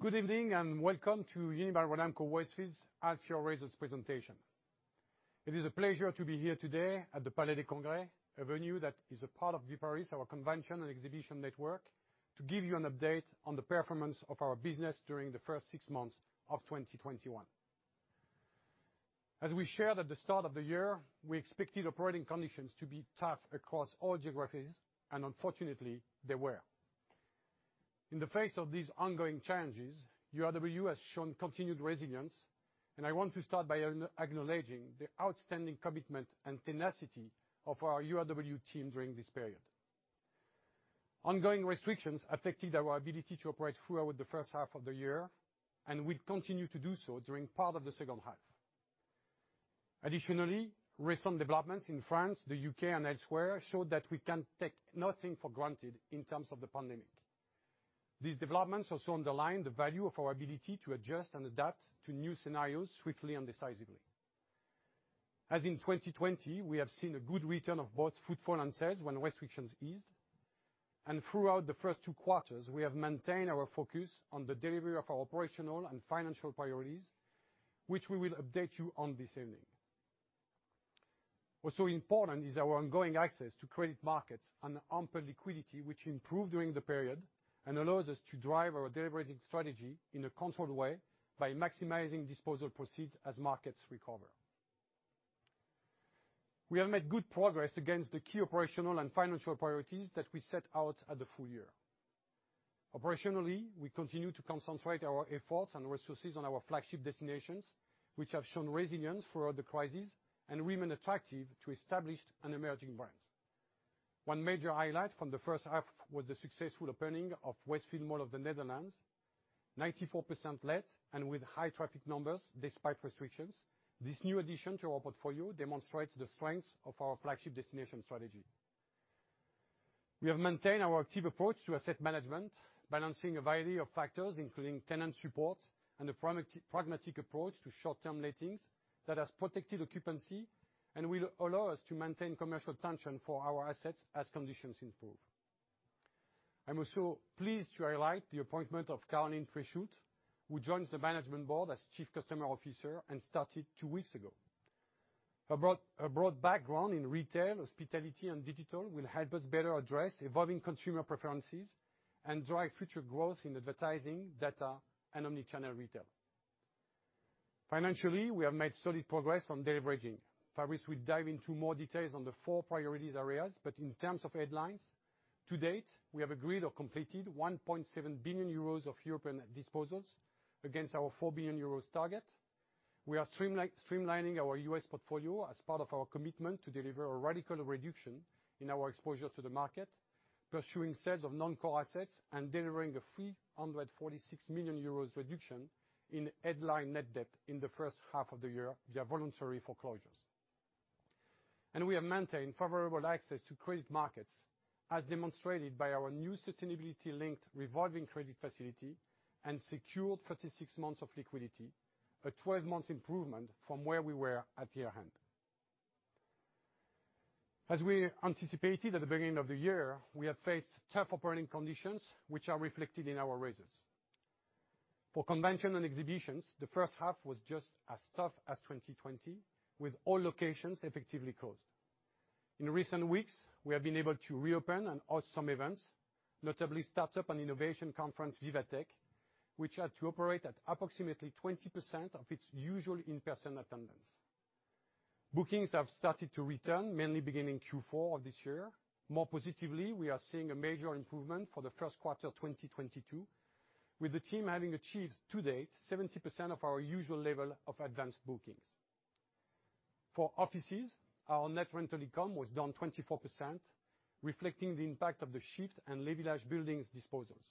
Good evening, and welcome to Unibail-Rodamco-Westfield's half-year results presentation. It is a pleasure to be here today at the Palais des Congrès, a venue that is a part of Viparis, our convention and exhibition network, to give you an update on the performance of our business during the first six months of 2021. As we shared at the start of the year, we expected operating conditions to be tough across all geographies, and unfortunately, they were. In the face of these ongoing challenges, URW has shown continued resilience, and I want to start by acknowledging the outstanding commitment and tenacity of our URW team during this period. Ongoing restrictions affected our ability to operate throughout the first half of the year, and will continue to do so during part of the second half. Additionally, recent developments in France, the U.K., and elsewhere showed that we can take nothing for granted in terms of the pandemic. These developments also underline the value of our ability to adjust and adapt to new scenarios swiftly and decisively. As in 2020, we have seen a good return of both footfall and sales when restrictions eased. Throughout the first two quarters, we have maintained our focus on the delivery of our operational and financial priorities, which we will update you on this evening. Also important is our ongoing access to credit markets and ample liquidity, which improved during the period, and allows us to drive our deleveraging strategy in a controlled way by maximizing disposal proceeds as markets recover. We have made good progress against the key operational and financial priorities that we set out at the full year. Operationally, we continue to concentrate our efforts and resources on our flagship destinations, which have shown resilience throughout the crisis and remain attractive to established and emerging brands. One major highlight from the first half was the successful opening of Westfield Mall of the Netherlands, 94% let, and with high traffic numbers despite restrictions. This new addition to our portfolio demonstrates the strengths of our flagship destination strategy. We have maintained our active approach to asset management, balancing a variety of factors, including tenant support and a pragmatic approach to short-term lettings that has protected occupancy and will allow us to maintain commercial tension for our assets as conditions improve. I'm also pleased to highlight the appointment of Caroline Puechoultres, who joins the management board as Chief Customer Officer and started two weeks ago. Her broad background in retail, hospitality, and digital will help us better address evolving consumer preferences and drive future growth in advertising, data, and omni-channel retail. Financially, we have made solid progress on deleveraging. Fabrice Mouchel will dive into more details on the four priorities areas. In terms of headlines, to date, we have agreed or completed 1.7 billion euros of European disposals against our 4 billion euros target. We are streamlining our U.S. portfolio as part of our commitment to deliver a radical reduction in our exposure to the market, pursuing sales of non-core assets, and delivering a 346 million euros reduction in headline net debt in the first half of the year via voluntary foreclosures. We have maintained favorable access to credit markets, as demonstrated by our new sustainability-linked revolving credit facility and secured 36 months of liquidity, a 12-months improvement from where we were at year end. As we anticipated at the beginning of the year, we have faced tough operating conditions, which are reflected in our results. For convention and exhibitions, the first half was just as tough as 2020, with all locations effectively closed. In recent weeks, we have been able to reopen and host some events, notably startup and innovation conference, VivaTech, which had to operate at approximately 20% of its usual in-person attendance. Bookings have started to return, mainly beginning Q4 of this year. More positively, we are seeing a major improvement for the first quarter of 2022, with the team having achieved to date 70% of our usual level of advanced bookings. For offices, our net rental income was down 24%, reflecting the impact of the Shift and Les Villages buildings disposals.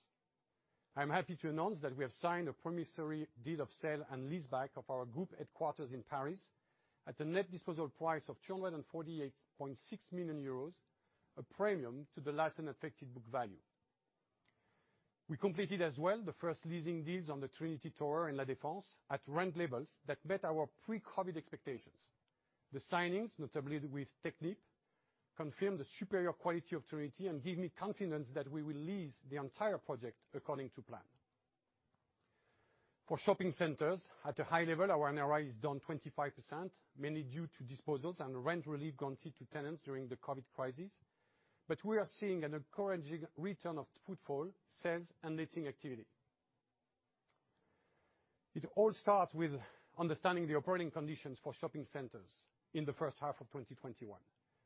I am happy to announce that we have signed a promissory deed of sale and leaseback of our group headquarters in Paris at a net disposal price of 248.6 million euros, a premium to the last unaffected book value. We completed as well the first leasing deals on the Trinity Tower in La Défense at rent levels that met our pre-COVID expectations. The signings, notably with Technip, confirm the superior quality of Trinity and give me confidence that we will lease the entire project according to plan. For shopping centers, at a high level, our NRI is down 25%, mainly due to disposals and rent relief granted to tenants during the COVID crisis. We are seeing an encouraging return of footfall, sales, and letting activity. It all starts with understanding the operating conditions for shopping centers in H1 2021,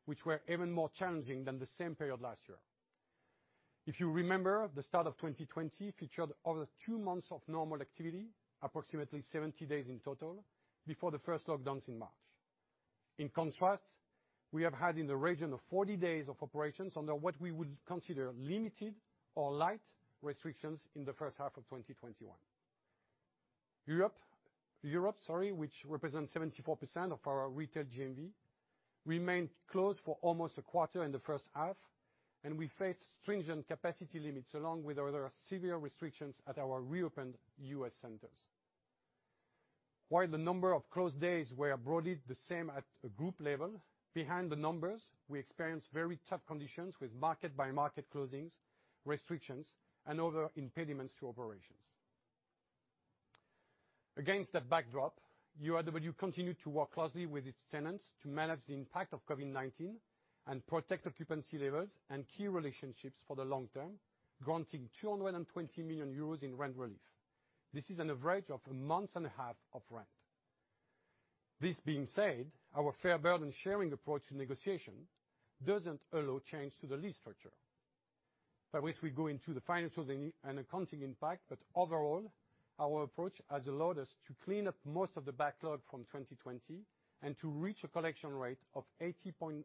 which were even more challenging than the same period last year. If you remember, the start of 2020 featured over two months of normal activity, approximately 70 days in total, before the first lockdowns in March. In contrast, we have had in the region of 40 days of operations under what we would consider limited or light restrictions in H1 2021. Europe, which represents 74% of our retail GMV, remained closed for almost a quarter in H1, and we faced stringent capacity limits, along with other severe restrictions at our reopened U.S. centers. While the number of closed days were broadly the same at a group level, behind the numbers, we experienced very tough conditions with market-by-market closings, restrictions, and other impediments to operations. Against that backdrop, URW continued to work closely with its tenants to manage the impact of COVID-19 and protect occupancy levels and key relationships for the long term, granting 220 million euros in rent relief. This is an average of a month and a half of rent. This being said, our fair burden-sharing approach to negotiation doesn't allow change to the lease structure. By which we go into the financials and accounting impact, but overall, our approach has allowed us to clean up most of the backlog from 2020 and to reach a collection rate of 89%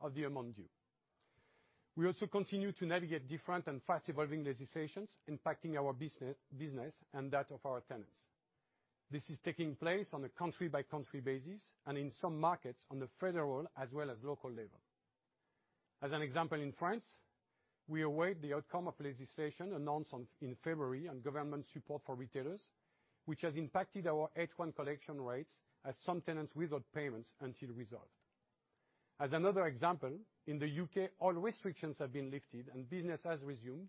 of the amount due. We also continue to navigate different and fast-evolving legislations impacting our business, and that of our tenants. This is taking place on a country-by-country basis, and in some markets on the federal as well as local level. As an example, in France, we await the outcome of legislation announced in February on government support for retailers, which has impacted our H1 collection rates as some tenants withhold payments until resolved. As another example, in the U.K., all restrictions have been lifted and business has resumed,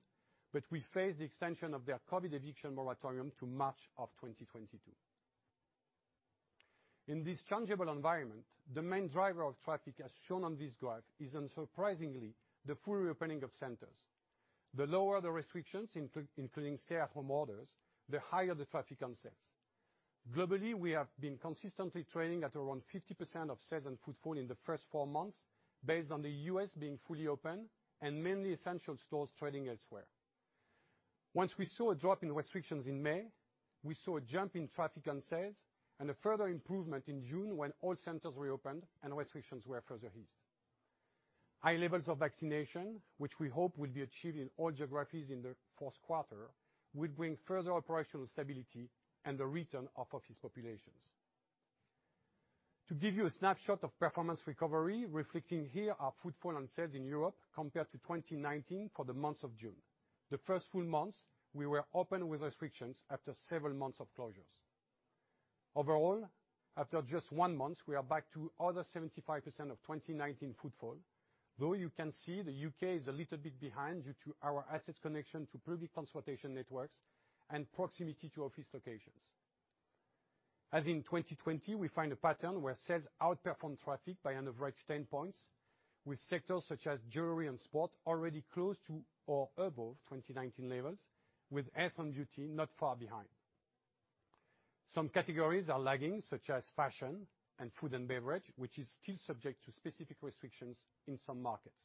but we face the extension of their Covid eviction moratorium to March of 2022. In this changeable environment, the main driver of traffic as shown on this graph is unsurprisingly the full reopening of centers. The lower the restrictions, including stay-at-home orders, the higher the traffic and sales. Globally, we have been consistently trading at around 50% of sales and footfall in the first four months, based on the U.S. being fully open and mainly essential stores trading elsewhere. Once we saw a drop in restrictions in May, we saw a jump in traffic and sales and a further improvement in June when all centers reopened and restrictions were further eased. High levels of vaccination, which we hope will be achieved in all geographies in the fourth quarter, will bring further operational stability and the return of office populations. To give you a snapshot of performance recovery, reflecting here our footfall and sales in Europe compared to 2019 for the month of June. The first full month we were open with restrictions after several months of closures. Overall, after just one month, we are back to over 75% of 2019 footfall, though you can see the U.K. is a little bit behind due to our assets connection to public transportation networks and proximity to office locations. As in 2020, we find a pattern where sales outperform traffic by an average 10 points, with sectors such as jewelry and sport already close to or above 2019 levels, with health and beauty not far behind. Some categories are lagging, such as fashion and food and beverage, which is still subject to specific restrictions in some markets.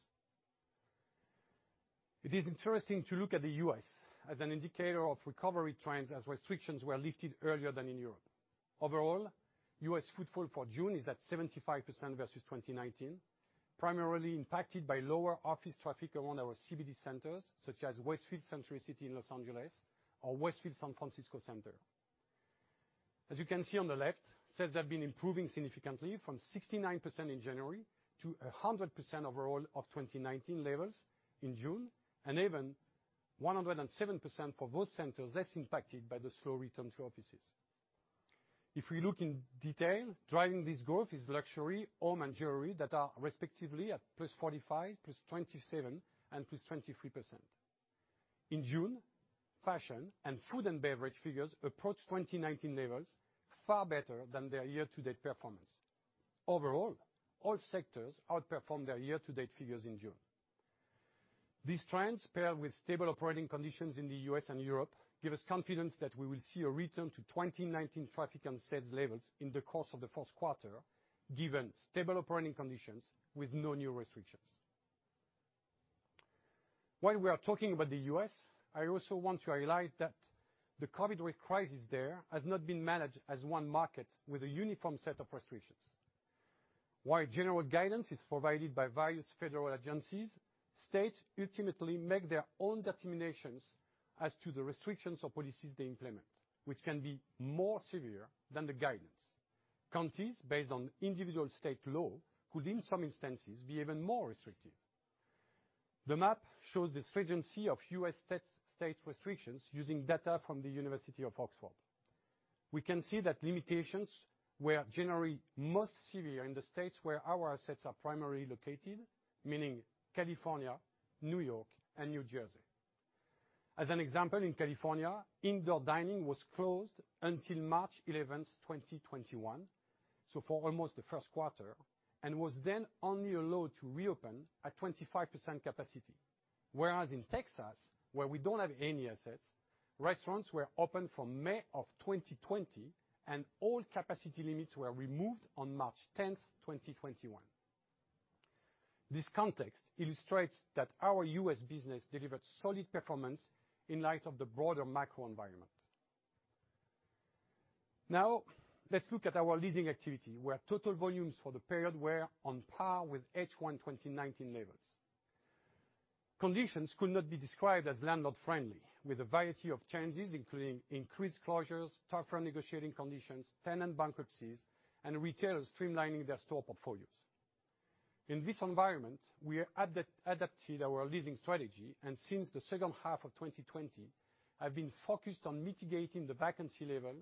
It is interesting to look at the U.S. as an indicator of recovery trends as restrictions were lifted earlier than in Europe. Overall, U.S. footfall for June is at 75% versus 2019, primarily impacted by lower office traffic around our CBD centers, such as Westfield Century City in Los Angeles or Westfield San Francisco Centre. As you can see on the left, sales have been improving significantly from 69% in January to 100% overall of 2019 levels in June, and even 107% for those centers less impacted by the slow return to offices. If we look in detail, driving this growth is luxury, home, and jewelry that are respectively at +45%, +27%, and +23%. In June, fashion and food and beverage figures approached 2019 levels far better than their year-to-date performance. Overall, all sectors outperformed their year-to-date figures in June. These trends, paired with stable operating conditions in the U.S. and Europe, give us confidence that we will see a return to 2019 traffic and sales levels in the course of the fourth quarter, given stable operating conditions with no new restrictions. While we are talking about the U.S., I also want to highlight that the COVID crisis there has not been managed as one market with a uniform set of restrictions. While general guidance is provided by various federal agencies, states ultimately make their own determinations as to the restrictions or policies they implement, which can be more severe than the guidance. Counties based on individual state law could, in some instances, be even more restrictive. The map shows the stringency of U.S. state restrictions using data from the University of Oxford. We can see that limitations were generally most severe in the states where our assets are primarily located, meaning California, New York, and New Jersey. As an example, in California, indoor dining was closed until March 11th, 2021, so for almost the first quarter, and was then only allowed to reopen at 25% capacity. Whereas in Texas, where we don't have any assets, restaurants were open from May of 2020, and all capacity limits were removed on March 10th, 2021. This context illustrates that our U.S. business delivered solid performance in light of the broader macro environment. Let's look at our leasing activity, where total volumes for the period were on par with H1 2019 levels. Conditions could not be described as landlord-friendly, with a variety of challenges, including increased closures, tougher negotiating conditions, tenant bankruptcies, and retailers streamlining their store portfolios. In this environment, we have adapted our leasing strategy, and since the second half of 2020, have been focused on mitigating the vacancy level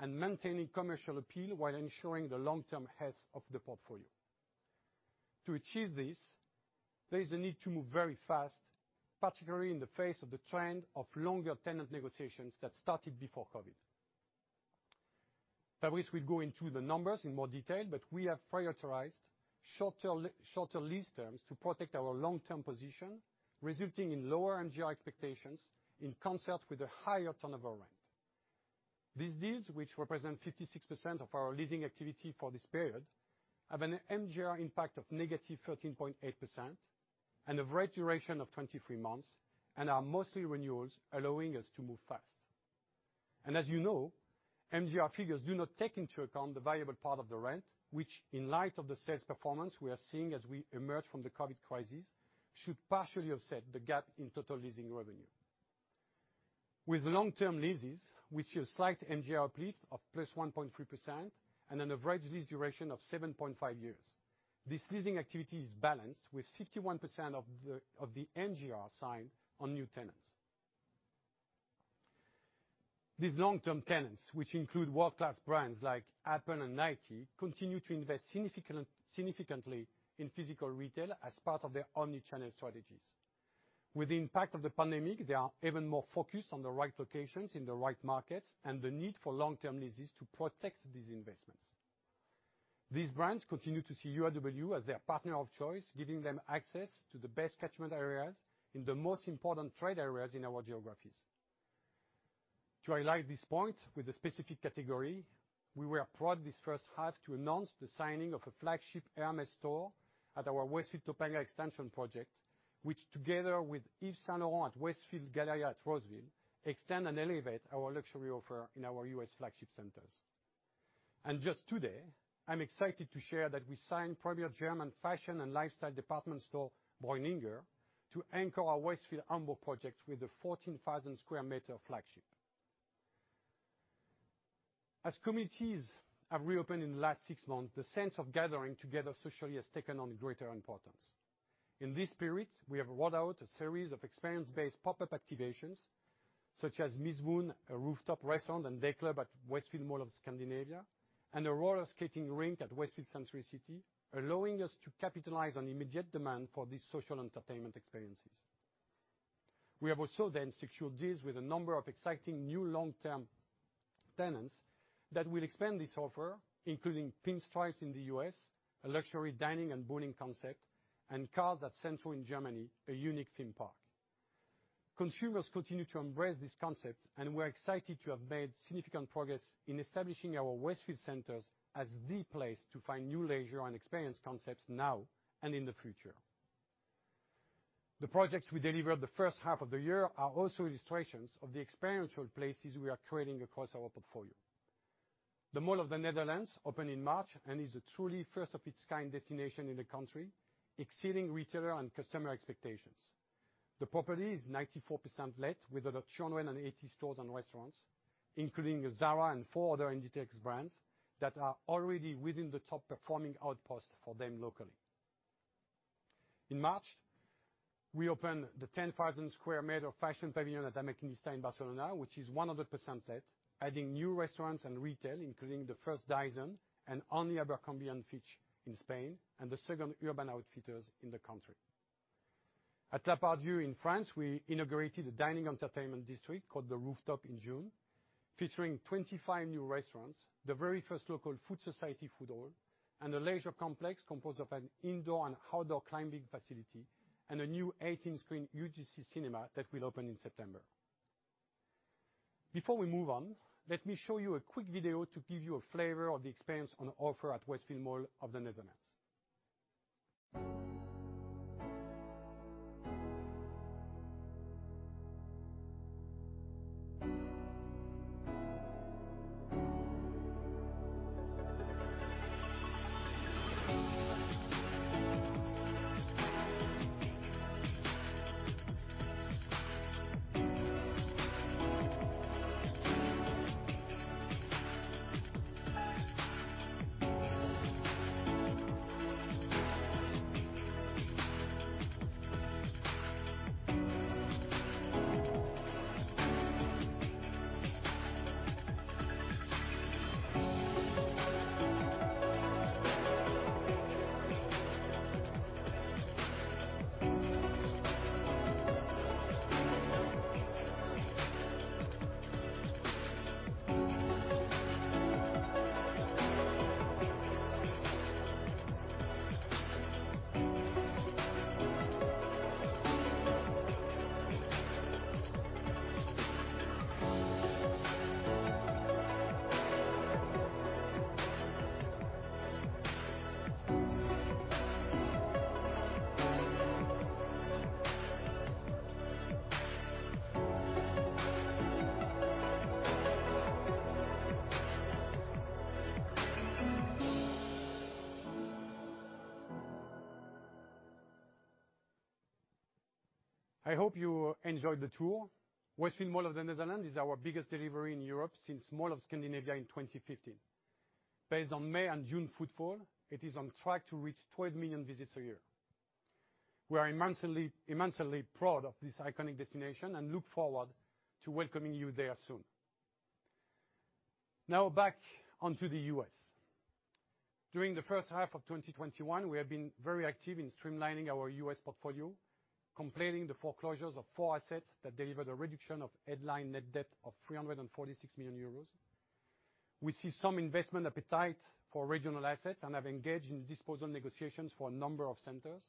and maintaining commercial appeal while ensuring the long-term health of the portfolio. To achieve this, there is a need to move very fast, particularly in the face of the trend of longer tenant negotiations that started before COVID. Fabrice will go into the numbers in more detail, but we have prioritized shorter lease terms to protect our long-term position, resulting in lower NGR expectations in concert with a higher turnover rent. These deals, which represent 56% of our leasing activity for this period, have an NGR impact of -3.8% and an average duration of 23 months, and are mostly renewals, allowing us to move fast. As you know, NGR figures do not take into account the variable part of the rent, which, in light of the sales performance we are seeing as we emerge from the COVID crisis, should partially offset the gap in total leasing revenue. With long-term leases, we see a slight NGR uplift of plus 1.3% and an average lease duration of 7.5 years. This leasing activity is balanced with 51% of the NGR signed on new tenants. These long-term tenants, which include world-class brands like Apple and Nike, continue to invest significantly in physical retail as part of their omni-channel strategies. With the impact of the pandemic, they are even more focused on the right locations in the right markets and the need for long-term leases to protect these investments. These brands continue to see URW as their partner of choice, giving them access to the best catchment areas in the most important trade areas in our geographies. To highlight this point with a specific category, we were proud this first half to announce the signing of a flagship Hermès store at our Westfield Topanga extension project, which together with Yves Saint Laurent, Westfield Galleria at Roseville, extend and elevate our luxury offer in our U.S. flagship centers. Just today, I'm excited to share that we signed premier German fashion and lifestyle department store, Breuninger, to anchor our Westfield Ambo project with a 14,000 sq m flagship. As communities have reopened in the last six months, the sense of gathering together socially has taken on greater importance. In this period, we have rolled out a series of experience-based pop-up activations, such as Miss Moon, a rooftop restaurant and day club at Westfield Mall of Scandinavia, and a roller skating rink at Westfield Century City, allowing us to capitalize on immediate demand for these social entertainment experiences. We have also secured deals with a number of exciting new long-term tenants that will expand this offer, including Pinstripes in the U.S., a luxury dining and bowling concept, and Karls at Centro in Germany, a unique theme park. Consumers continue to embrace this concept, and we're excited to have made significant progress in establishing our Westfield centers as the place to find new leisure and experience concepts now and in the future. The projects we delivered the first half of the year are also illustrations of the experiential places we are creating across our portfolio. The Mall of the Netherlands opened in March and is a truly first-of-its-kind destination in the country, exceeding retailer and customer expectations. The property is 94% let with over 280 stores and restaurants, including Zara and four other Inditex brands that are already within the top-performing outposts for them locally. In March, we opened the 10,000 sq m fashion pavilion at L'Illa Diagonal in Barcelona, which is 100% let, adding new restaurants and retail, including the first Dyson and only Abercrombie & Fitch in Spain and the second Urban Outfitters in the country. At La Part Dieu in France, we inaugurated a dining entertainment district called The Rooftop in June, featuring 25 new restaurants, the very first local Food Society food hall, and a leisure complex composed of an indoor and outdoor climbing facility and a new 18-screen UGC cinema that will open in September. Before we move on, let me show you a quick video to give you a flavor of the experience on offer at Westfield Mall of the Netherlands. I hope you enjoyed the tour. Westfield Mall of the Netherlands is our biggest delivery in Europe since Mall of Scandinavia in 2015. Based on May and June footfall, it is on track to reach 12 million visits a year. We are immensely proud of this iconic destination and look forward to welcoming you there soon. Now back onto the U.S. During the first half of 2021, we have been very active in streamlining our U.S. portfolio, completing the foreclosures of four assets that delivered a reduction of headline net debt of 346 million euros. We see some investment appetite for regional assets and have engaged in disposal negotiations for a number of centers,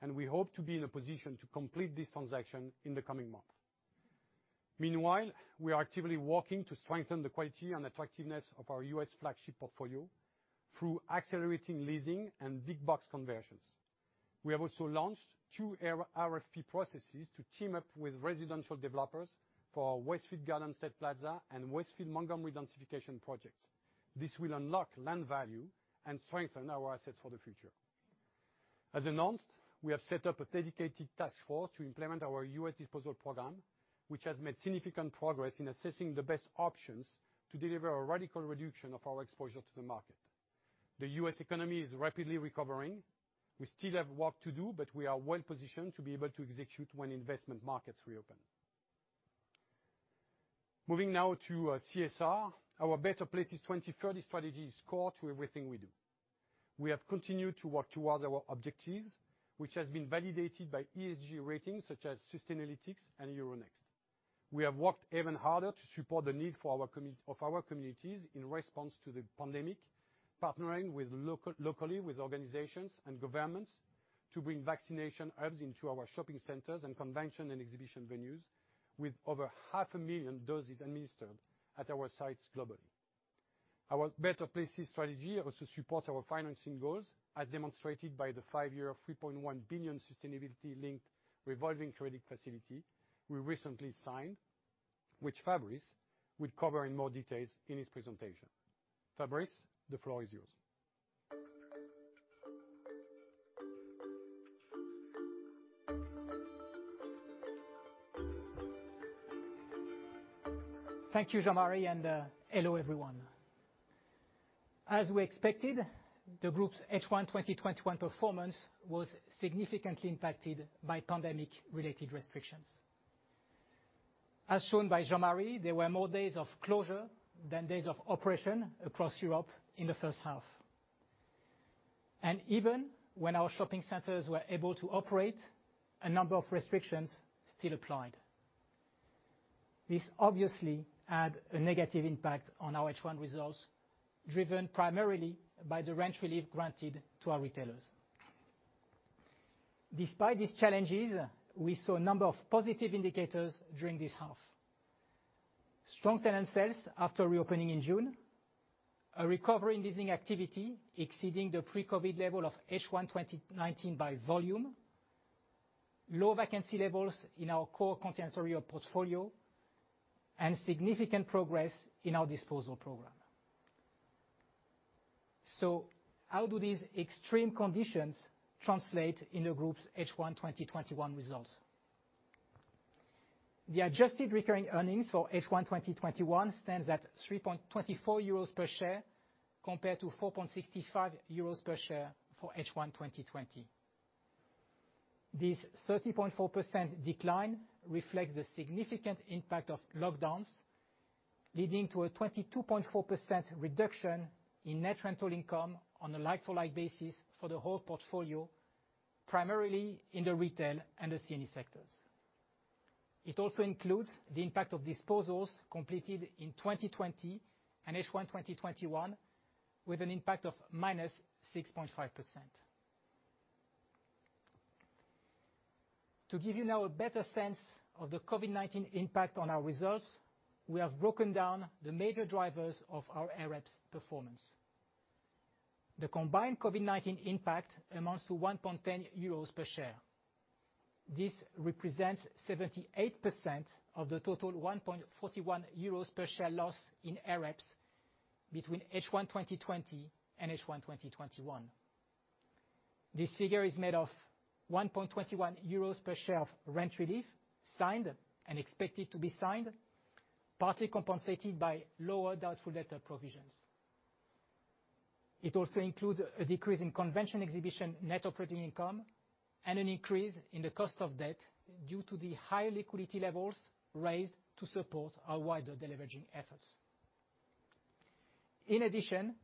and we hope to be in a position to complete this transaction in the coming month. Meanwhile, we are actively working to strengthen the quality and attractiveness of our U.S. flagship portfolio through accelerating leasing and big box conversions. We have also launched two RFP processes to team up with residential developers for our Westfield Garden State Plaza and Westfield Montgomery densification projects. This will unlock land value and strengthen our assets for the future. As announced, we have set up a dedicated task force to implement our U.S. disposal program, which has made significant progress in assessing the best options to deliver a radical reduction of our exposure to the market. The U.S. economy is rapidly recovering. We still have work to do, but we are well positioned to be able to execute when investment markets reopen. Moving now to CSR. Our Better Places 2030 strategy is core to everything we do. We have continued to work towards our objectives, which has been validated by ESG ratings such as Sustainalytics and Euronext. We have worked even harder to support the need of our communities in response to the pandemic, partnering locally with organizations and governments to bring vaccination hubs into our shopping centers and convention and exhibition venues with over half a million doses administered at our sites globally. Our Better Places strategy also supports our financing goals, as demonstrated by the five-year, 3.1 billion sustainability-linked revolving credit facility we recently signed, which Fabrice will cover in more details in his presentation. Fabrice, the floor is yours. Thank you, Jean-Marie. Hello, everyone. As we expected, the group's H1 2021 performance was significantly impacted by pandemic-related restrictions. As shown by Jean-Marie, there were more days of closure than days of operation across Europe in the first half. Even when our shopping centers were able to operate, a number of restrictions still applied. This obviously had a negative impact on our H1 results, driven primarily by the rent relief granted to our retailers. Despite these challenges, we saw a number of positive indicators during this half. Strong tenant sales after reopening in June, a recovery in leasing activity exceeding the pre-COVID level of H1 2019 by volume, low vacancy levels in our core continental Europe portfolio, and significant progress in our disposal program. How do these extreme conditions translate in the group's H1 2021 results? The adjusted recurring earnings for H1 2021 stands at 3.24 euros per share compared to 4.65 euros per share for H1 2020. This 30.4% decline reflects the significant impact of lockdowns, leading to a 22.4% reduction in Net Rental Income on a like-for-like basis for the whole portfolio, primarily in the retail and the C&E sectors. It also includes the impact of disposals completed in 2020 and H1 2021 with an impact of -6.5%. To give you now a better sense of the COVID-19 impact on our results, we have broken down the major drivers of our AREPS performance. The combined COVID-19 impact amounts to 1.10 euros per share. This represents 78% of the total 1.41 euros per share loss in AREPS between H1 2020 and H1 2021. This figure is made of 1.21 euros per share of rent relief signed and expected to be signed, partly compensated by lower doubtful debt provisions. It also includes a decrease in convention exhibition net operating income and an increase in the cost of debt due to the high liquidity levels raised to support our wider deleveraging efforts. In addition,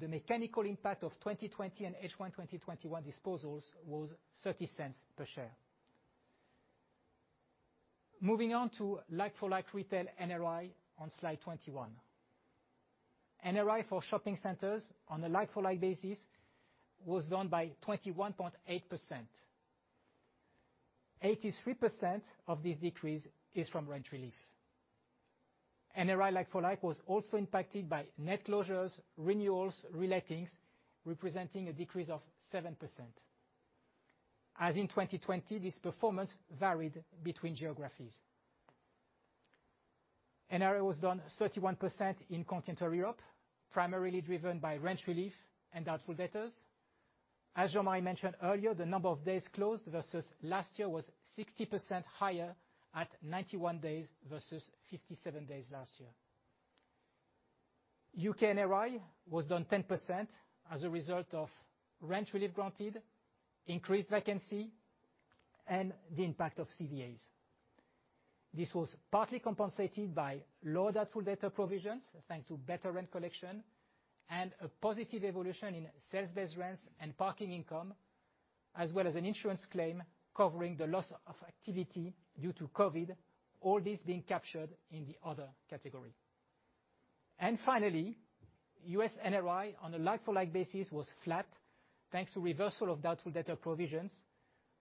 the mechanical impact of 2020 and H1 2021 disposals was 0.30 per share. Moving on to like-for-like retail NRI on slide 21. NRI for shopping centers on a like-for-like basis was down by 21.8%. 83% of this decrease is from rent relief. NRI like-for-like was also impacted by net closures, renewals, re-lettings, representing a decrease of 7%. As in 2020, this performance varied between geographies. NRI was down 31% in Continental Europe, primarily driven by rent relief and doubtful debtors. As Jean-Marie mentioned earlier, the number of days closed versus last year was 60% higher at 91 days versus 57 days last year. U.K. NRI was down 10% as a result of rent relief granted, increased vacancy, and the impact of CVAs. This was partly compensated by lower doubtful debtor provisions, thanks to better rent collection and a positive evolution in sales-based rents and parking income, as well as an insurance claim covering the loss of activity due to COVID, all this being captured in the other category. Finally, U.S. NRI on a like-for-like basis was flat, thanks to reversal of doubtful debtor provisions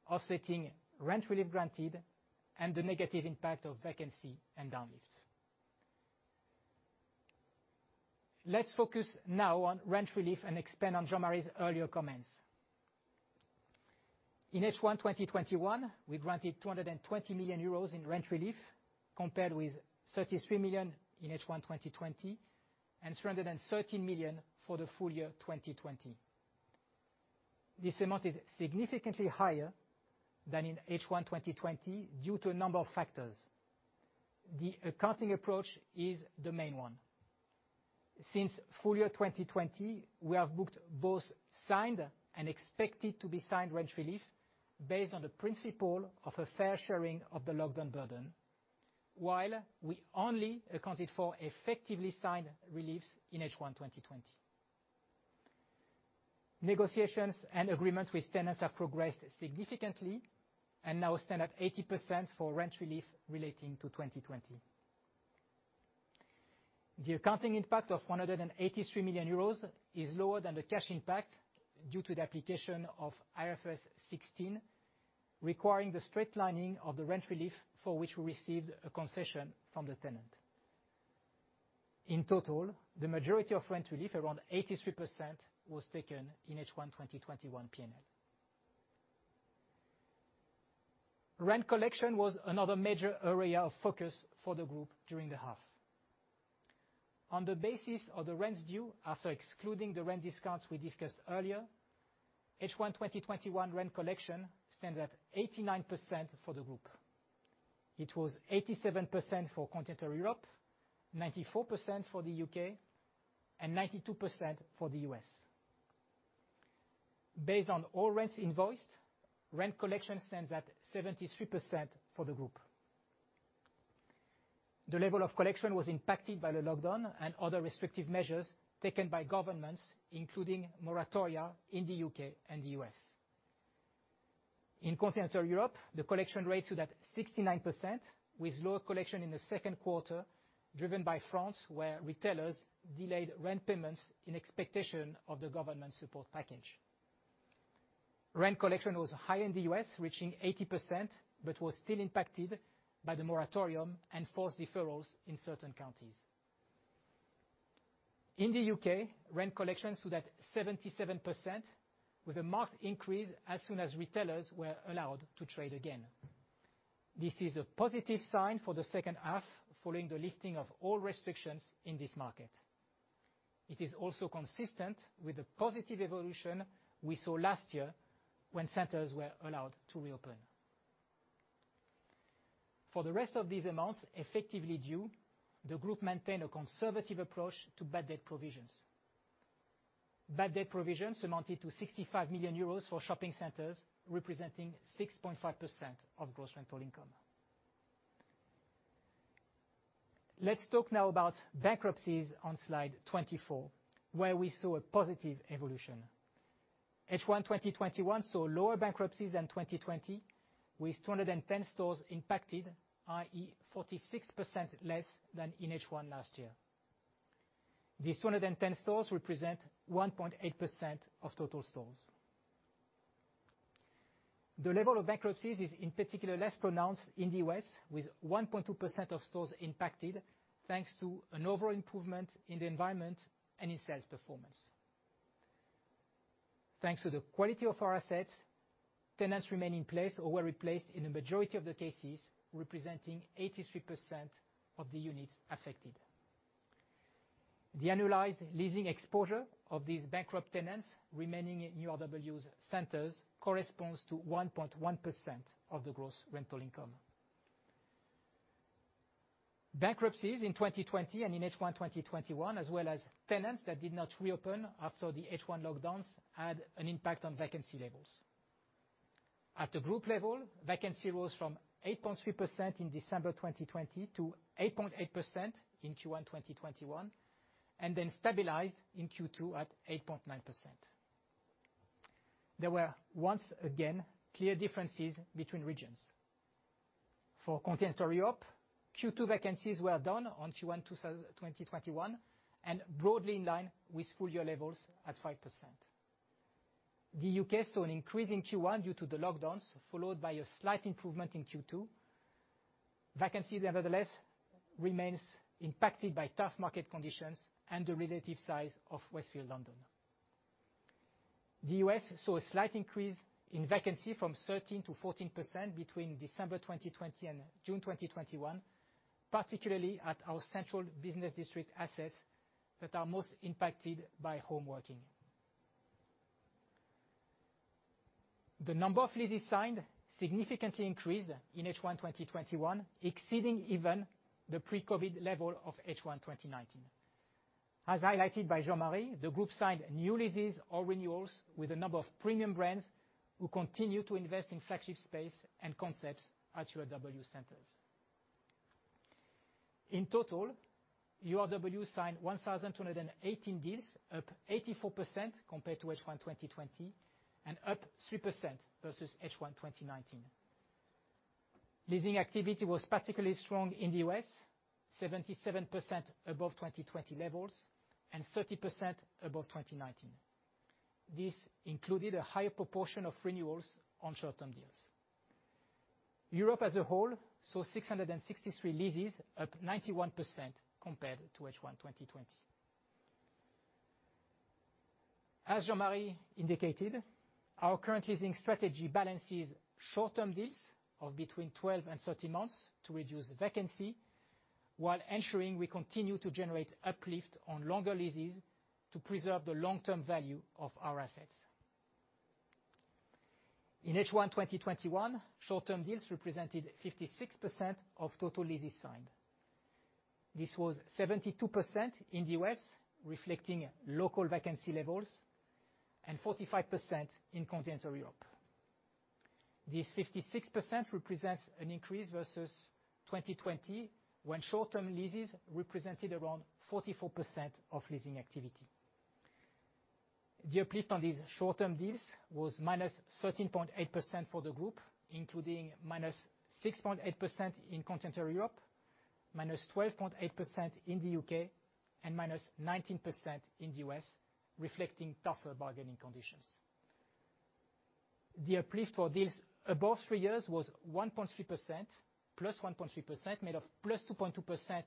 offsetting rent relief granted and the negative impact of vacancy and down lifts. Let's focus now on rent relief and expand on Jean-Marie's earlier comments. In H1 2021, we granted 220 million euros in rent relief, compared with 33 million in H1 2020, and 313 million for the full year 2020. This amount is significantly higher than in H1 2020 due to a number of factors. The accounting approach is the main one. Since full year 2020, we have booked both signed and expected-to-be-signed rent relief based on the principle of a fair sharing of the lockdown burden. While we only accounted for effectively signed reliefs in H1 2020. Negotiations and agreements with tenants have progressed significantly and now stand at 80% for rent relief relating to 2020. The accounting impact of 183 million euros is lower than the cash impact due to the application of IFRS 16, requiring the straight lining of the rent relief for which we received a concession from the tenant. In total, the majority of rent relief, around 83%, was taken in H1 2021 P&L. Rent collection was another major area of focus for the group during the half. On the basis of the rents due after excluding the rent discounts we discussed earlier, H1 2021 rent collection stands at 89% for the group. It was 87% for Continental Europe, 94% for the U.K., and 92% for the U.S. Based on all rents invoiced, rent collection stands at 73% for the group. The level of collection was impacted by the lockdown and other restrictive measures taken by governments, including moratoria in the U.K. and the U.S. In Continental Europe, the collection rates were at 69%, with lower collection in the second quarter driven by France, where retailers delayed rent payments in expectation of the government support package. Rent collection was high in the U.S., reaching 80%, but was still impacted by the moratorium and forced deferrals in certain counties. In the U.K., rent collection stood at 77%, with a marked increase as soon as retailers were allowed to trade again. This is a positive sign for the second half following the lifting of all restrictions in this market. It is also consistent with the positive evolution we saw last year when centers were allowed to reopen. For the rest of these amounts effectively due, the group maintained a conservative approach to bad debt provisions. Bad debt provisions amounted to 65 million euros for shopping centers, representing 6.5% of gross rental income. Let's talk now about bankruptcies on slide 24, where we saw a positive evolution. H1 2021 saw lower bankruptcies than 2020, with 210 stores impacted, i.e., 46% less than in H1 last year. These 210 stores represent 1.8% of total stores. The level of bankruptcies is in particular less pronounced in the U.S., with 1.2% of stores impacted, thanks to an overall improvement in the environment and in sales performance. Thanks to the quality of our assets, tenants remain in place or were replaced in the majority of the cases, representing 83% of the units affected. The annualized leasing exposure of these bankrupt tenants remaining in URW's centers corresponds to 1.1% of the gross rental income. Bankruptcies in 2020 and in H1 2021, as well as tenants that did not reopen after the H1 lockdowns, had an impact on vacancy levels. At the group level, vacancy rose from 8.3% in December 2020 to 8.8% in Q1 2021, and then stabilized in Q2 at 8.9%. There were once again clear differences between regions. For Continental Europe, Q2 vacancies were down on Q1 2021 and broadly in line with full year levels at 5%. The U.K. saw an increase in Q1 due to the lockdowns, followed by a slight improvement in Q2. Vacancy, nevertheless, remains impacted by tough market conditions and the relative size of Westfield London. The U.S. saw a slight increase in vacancy from 13%-14% between December 2020 and June 2021, particularly at our central business district assets that are most impacted by home working. The number of leases signed significantly increased in H1 2021, exceeding even the pre-COVID level of H1 2019. As highlighted by Jean-Marie, the group signed new leases or renewals with a number of premium brands who continue to invest in flagship space and concepts at URW centers. In total, URW signed 1,218 deals, up 84% compared to H1 2020 and up 3% versus H1 2019. Leasing activity was particularly strong in the U.S., 77% above 2020 levels, and 30% above 2019. This included a higher proportion of renewals on short-term deals. Europe as a whole saw 663 leases, up 91% compared to H1 2020. As Jean-Marie indicated, our current leasing strategy balances short-term deals of between 12 and 13 months to reduce vacancy, while ensuring we continue to generate uplift on longer leases to preserve the long-term value of our assets. In H1 2021, short-term deals represented 56% of total leases signed. This was 72% in the U.S., reflecting local vacancy levels, and 45% in Continental Europe. This 56% represents an increase versus 2020, when short-term leases represented around 44% of leasing activity. The uplift on these short-term deals was -13.8% for the group, including -6.8% in Continental Europe, -12.8% in the U.K., and -19% in the U.S., reflecting tougher bargaining conditions. The uplift for deals above three years was +1.3%, made of +2.2%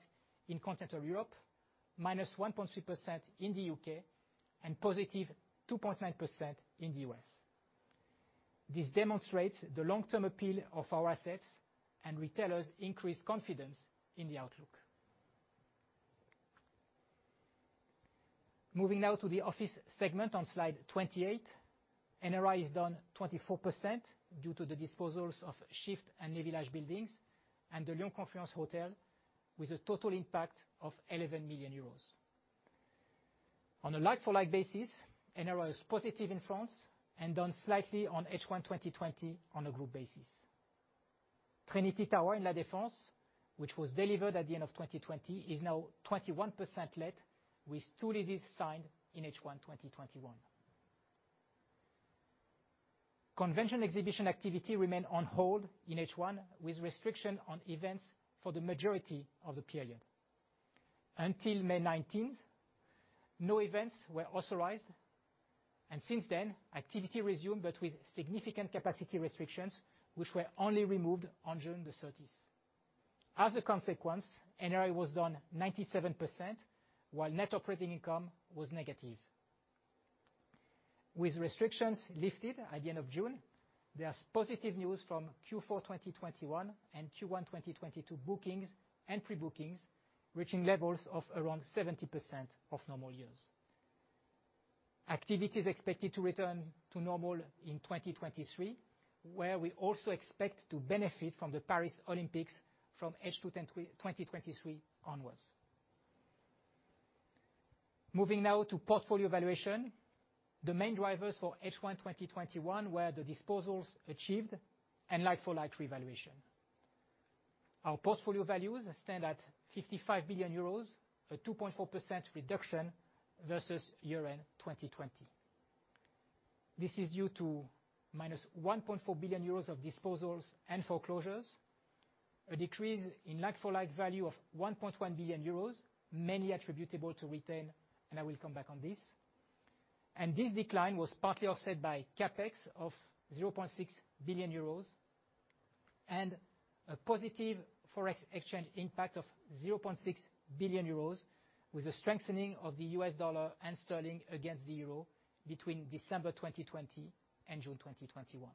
in Continental Europe, -1.3% in the U.K. and +2.9% in the U.S. This demonstrates the long-term appeal of our assets and retailers' increased confidence in the outlook. Moving now to the office segment on Slide 28. NRI is down 24% due to the disposals of Shift and Village buildings and the Lyon Confluence Hotel, with a total impact of 11 million euros. On a like-for-like basis, NRI is positive in France and down slightly on H1 2020 on a group basis. Trinity Tower in La Défense, which was delivered at the end of 2020, is now 21% let, with two leases signed in H1 2021. Convention exhibition activity remained on hold in H1, with restriction on events for the majority of the period. Until May 19th, no events were authorized, and since then, activity resumed, but with significant capacity restrictions, which were only removed on June 30th. As a consequence, NRI was down 97%, while net operating income was negative. With restrictions lifted at the end of June, there are positive news from Q4 2021 and Q1 2022 bookings and pre-bookings, reaching levels of around 70% of normal years. Activity is expected to return to normal in 2023, where we also expect to benefit from the Paris Olympics from H2 2023 onwards. Moving now to portfolio valuation. The main drivers for H1 2021 were the disposals achieved and like-for-like revaluation. Our portfolio values stand at 55 billion euros, a 2.4% reduction versus year-end 2020. This is due to -1.4 billion euros of disposals and foreclosures, a decrease in like-for-like value of 1.1 billion euros, mainly attributable to retail, and I will come back on this. This decline was partly offset by CapEx of 0.6 billion euros, a positive FX exchange impact of 0.6 billion euros, with a strengthening of the US dollar and sterling against the euro between December 2020 and June 2021.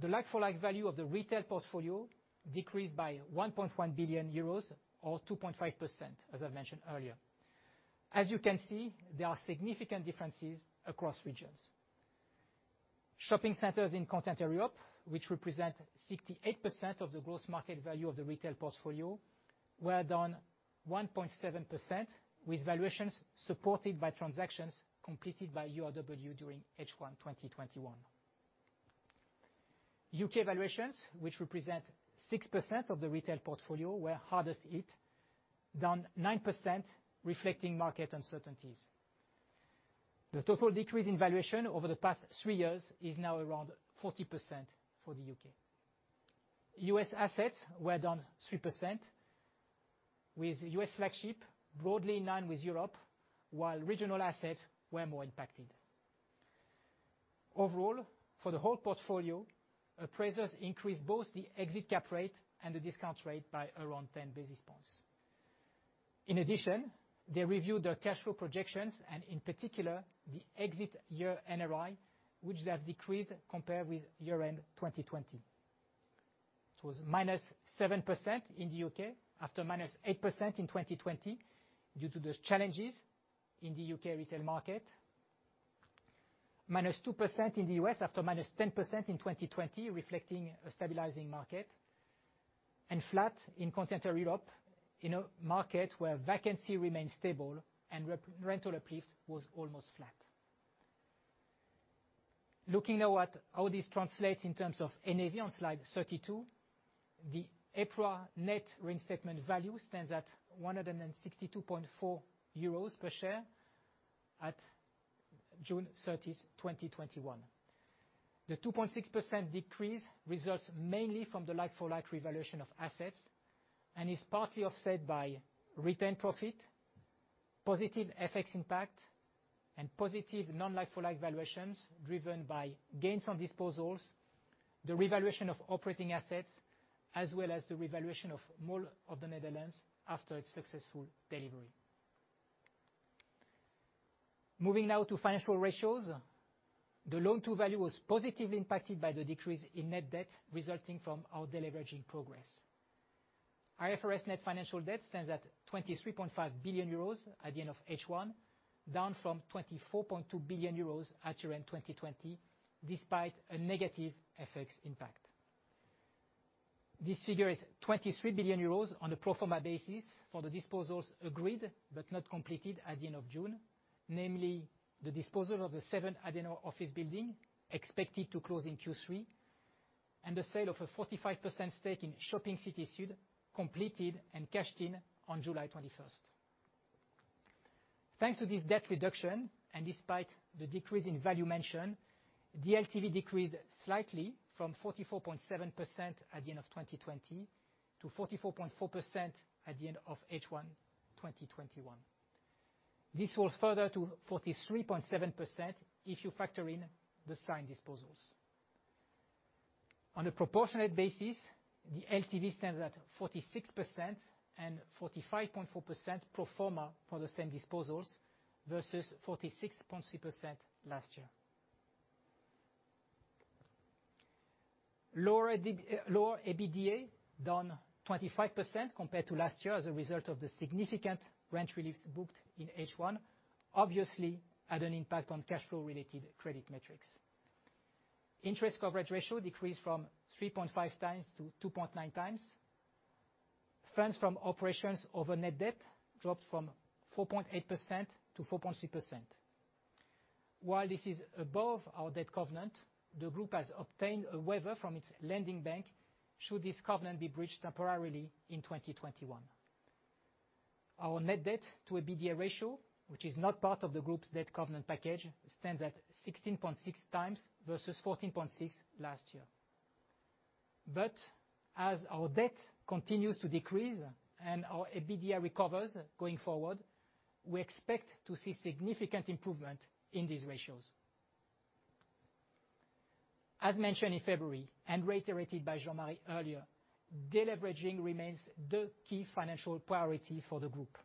The like-for-like value of the retail portfolio decreased by 1.1 billion euros, or 2.5%, as I mentioned earlier. As you can see, there are significant differences across regions. Shopping centers in Continental Europe, which represent 68% of the gross market value of the retail portfolio, were down 1.7%, with valuations supported by transactions completed by URW during H1 2021. U.K. valuations, which represent 6% of the retail portfolio, were hardest hit, down 9%, reflecting market uncertainties. The total decrease in valuation over the past three years is now around 40% for the U.K. U.S. assets were down 3%, with U.S. flagship broadly in line with Europe, while regional assets were more impacted. Overall, for the whole portfolio, appraisers increased both the exit cap rate and the discount rate by around 10 basis points. In addition, they reviewed the cash flow projections and in particular, the exit year NRI, which they have decreased compared with year-end 2020. It was -7% in the U.K. after -8% in 2020 due to the challenges in the U.K. retail market. -2% in the U.S. after -10% in 2020, reflecting a stabilizing market, and flat in Continental Europe in a market where vacancy remains stable and rental uplift was almost flat. Looking now at how this translates in terms of NAV on slide 32, the April net reinstatement value stands at 162.4 euros per share at June 30th, 2021. The 2.6% decrease results mainly from the like-for-like revaluation of assets and is partly offset by retained profit, positive FX impact, and positive non-like-for-like valuations driven by gains on disposals, the revaluation of operating assets, as well as the revaluation of Mall of the Netherlands after its successful delivery. Moving now to financial ratios. The loan-to-value was positively impacted by the decrease in net debt resulting from our deleveraging progress. IFRS net financial debt stands at 23.5 billion euros at the end of H1, down from 24.2 billion euros at year-end 2020, despite a negative FX impact. This figure is 23 billion euros on a pro forma basis for the disposals agreed but not completed at the end of June, namely the disposal of the seven Adenauer office building expected to close in Q3, and the sale of a 45% stake in Shopping City Süd, completed and cashed in on July 21st. Thanks to this debt reduction, and despite the decrease in value mentioned, the LTV decreased slightly from 44.7% at the end of 2020 to 44.4% at the end of H1 2021. This falls further to 43.7% if you factor in the signed disposals. On a proportionate basis, the LTV stands at 46% and 45.4% pro forma for the same disposals versus 46.3% last year. Lower EBITDA, down 25% compared to last year as a result of the significant rent reliefs booked in H1, obviously had an impact on cash flow-related credit metrics. Interest coverage ratio decreased from 3.5x to 2.9x. Funds from operations over net debt dropped from 4.8% to 4.3%. While this is above our debt covenant, the group has obtained a waiver from its lending bank should this covenant be breached temporarily in 2021. Our net debt to EBITDA ratio, which is not part of the group's debt covenant package, stands at 16.6x versus 14.6 last year. As our debt continues to decrease and our EBITDA recovers going forward, we expect to see significant improvement in these ratios. As mentioned in February and reiterated by Jean-Marie earlier, deleveraging remains the key financial priority for the group.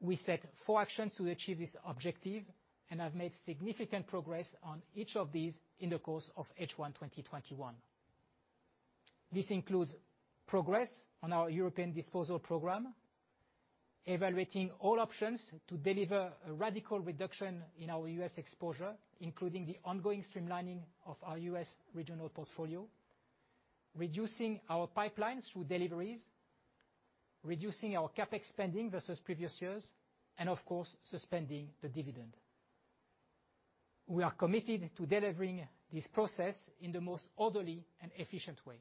We set four actions to achieve this objective and have made significant progress on each of these in the course of H1 2021. This includes progress on our European disposal program, evaluating all options to deliver a radical reduction in our U.S. exposure, including the ongoing streamlining of our U.S. regional portfolio, reducing our pipeline through deliveries, reducing our CapEx spending versus previous years, and of course, suspending the dividend. We are committed to delivering this process in the most orderly and efficient way,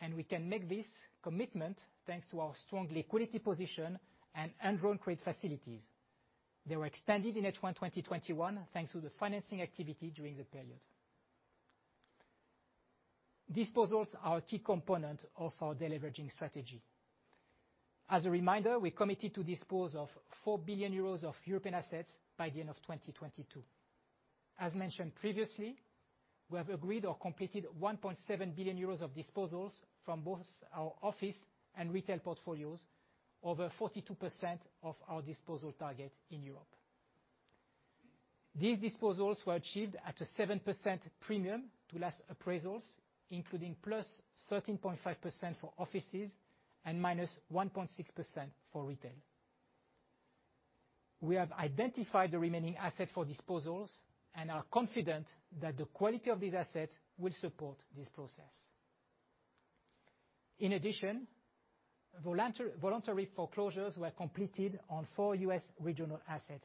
and we can make this commitment thanks to our strong liquidity position and undrawn credit facilities. They were extended in H1 2021, thanks to the financing activity during the period. Disposals are a key component of our deleveraging strategy. As a reminder, we committed to dispose of 4 billion euros of European assets by the end of 2022. As mentioned previously, we have agreed or completed 1.7 billion euros of disposals from both our office and retail portfolios, over 42% of our disposal target in Europe. These disposals were achieved at a 7% premium to last appraisals, including +13.5% for offices and -1.6% for retail. We have identified the remaining assets for disposals and are confident that the quality of these assets will support this process. In addition, voluntary foreclosures were completed on four U.S. regional assets.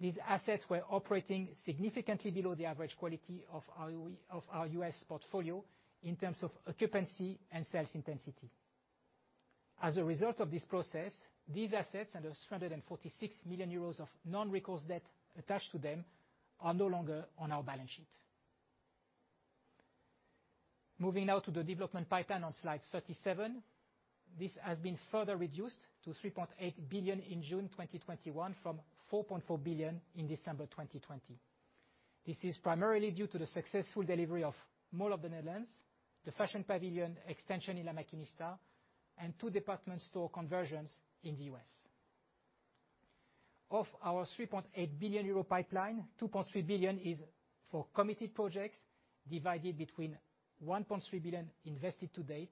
These assets were operating significantly below the average quality of our U.S. portfolio in terms of occupancy and sales intensity. As a result of this process, these assets and the 346 million euros of non-recourse debt attached to them are no longer on our balance sheet. Moving now to the development pipeline on slide 37. This has been further reduced to 3.8 billion in June 2021 from 4.4 billion in December 2020. This is primarily due to the successful delivery of Mall of the Netherlands, the fashion pavilion extension in La Maquinista, and two department store conversions in the U.S. Of our 3.8 billion euro pipeline, 2.3 billion is for committed projects divided between 1.3 billion invested to date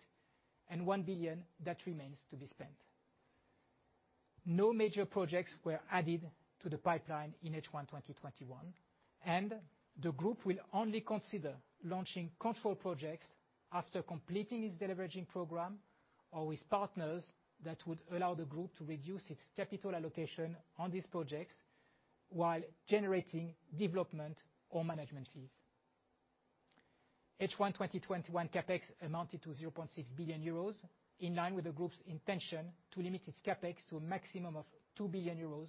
and 1 billion that remains to be spent. No major projects were added to the pipeline in H1 2021. The group will only consider launching control projects after completing its deleveraging program or with partners that would allow the group to reduce its capital allocation on these projects while generating development or management fees. H1 2021 CapEx amounted to 0.6 billion euros, in line with the group's intention to limit its CapEx to a maximum of 2 billion euros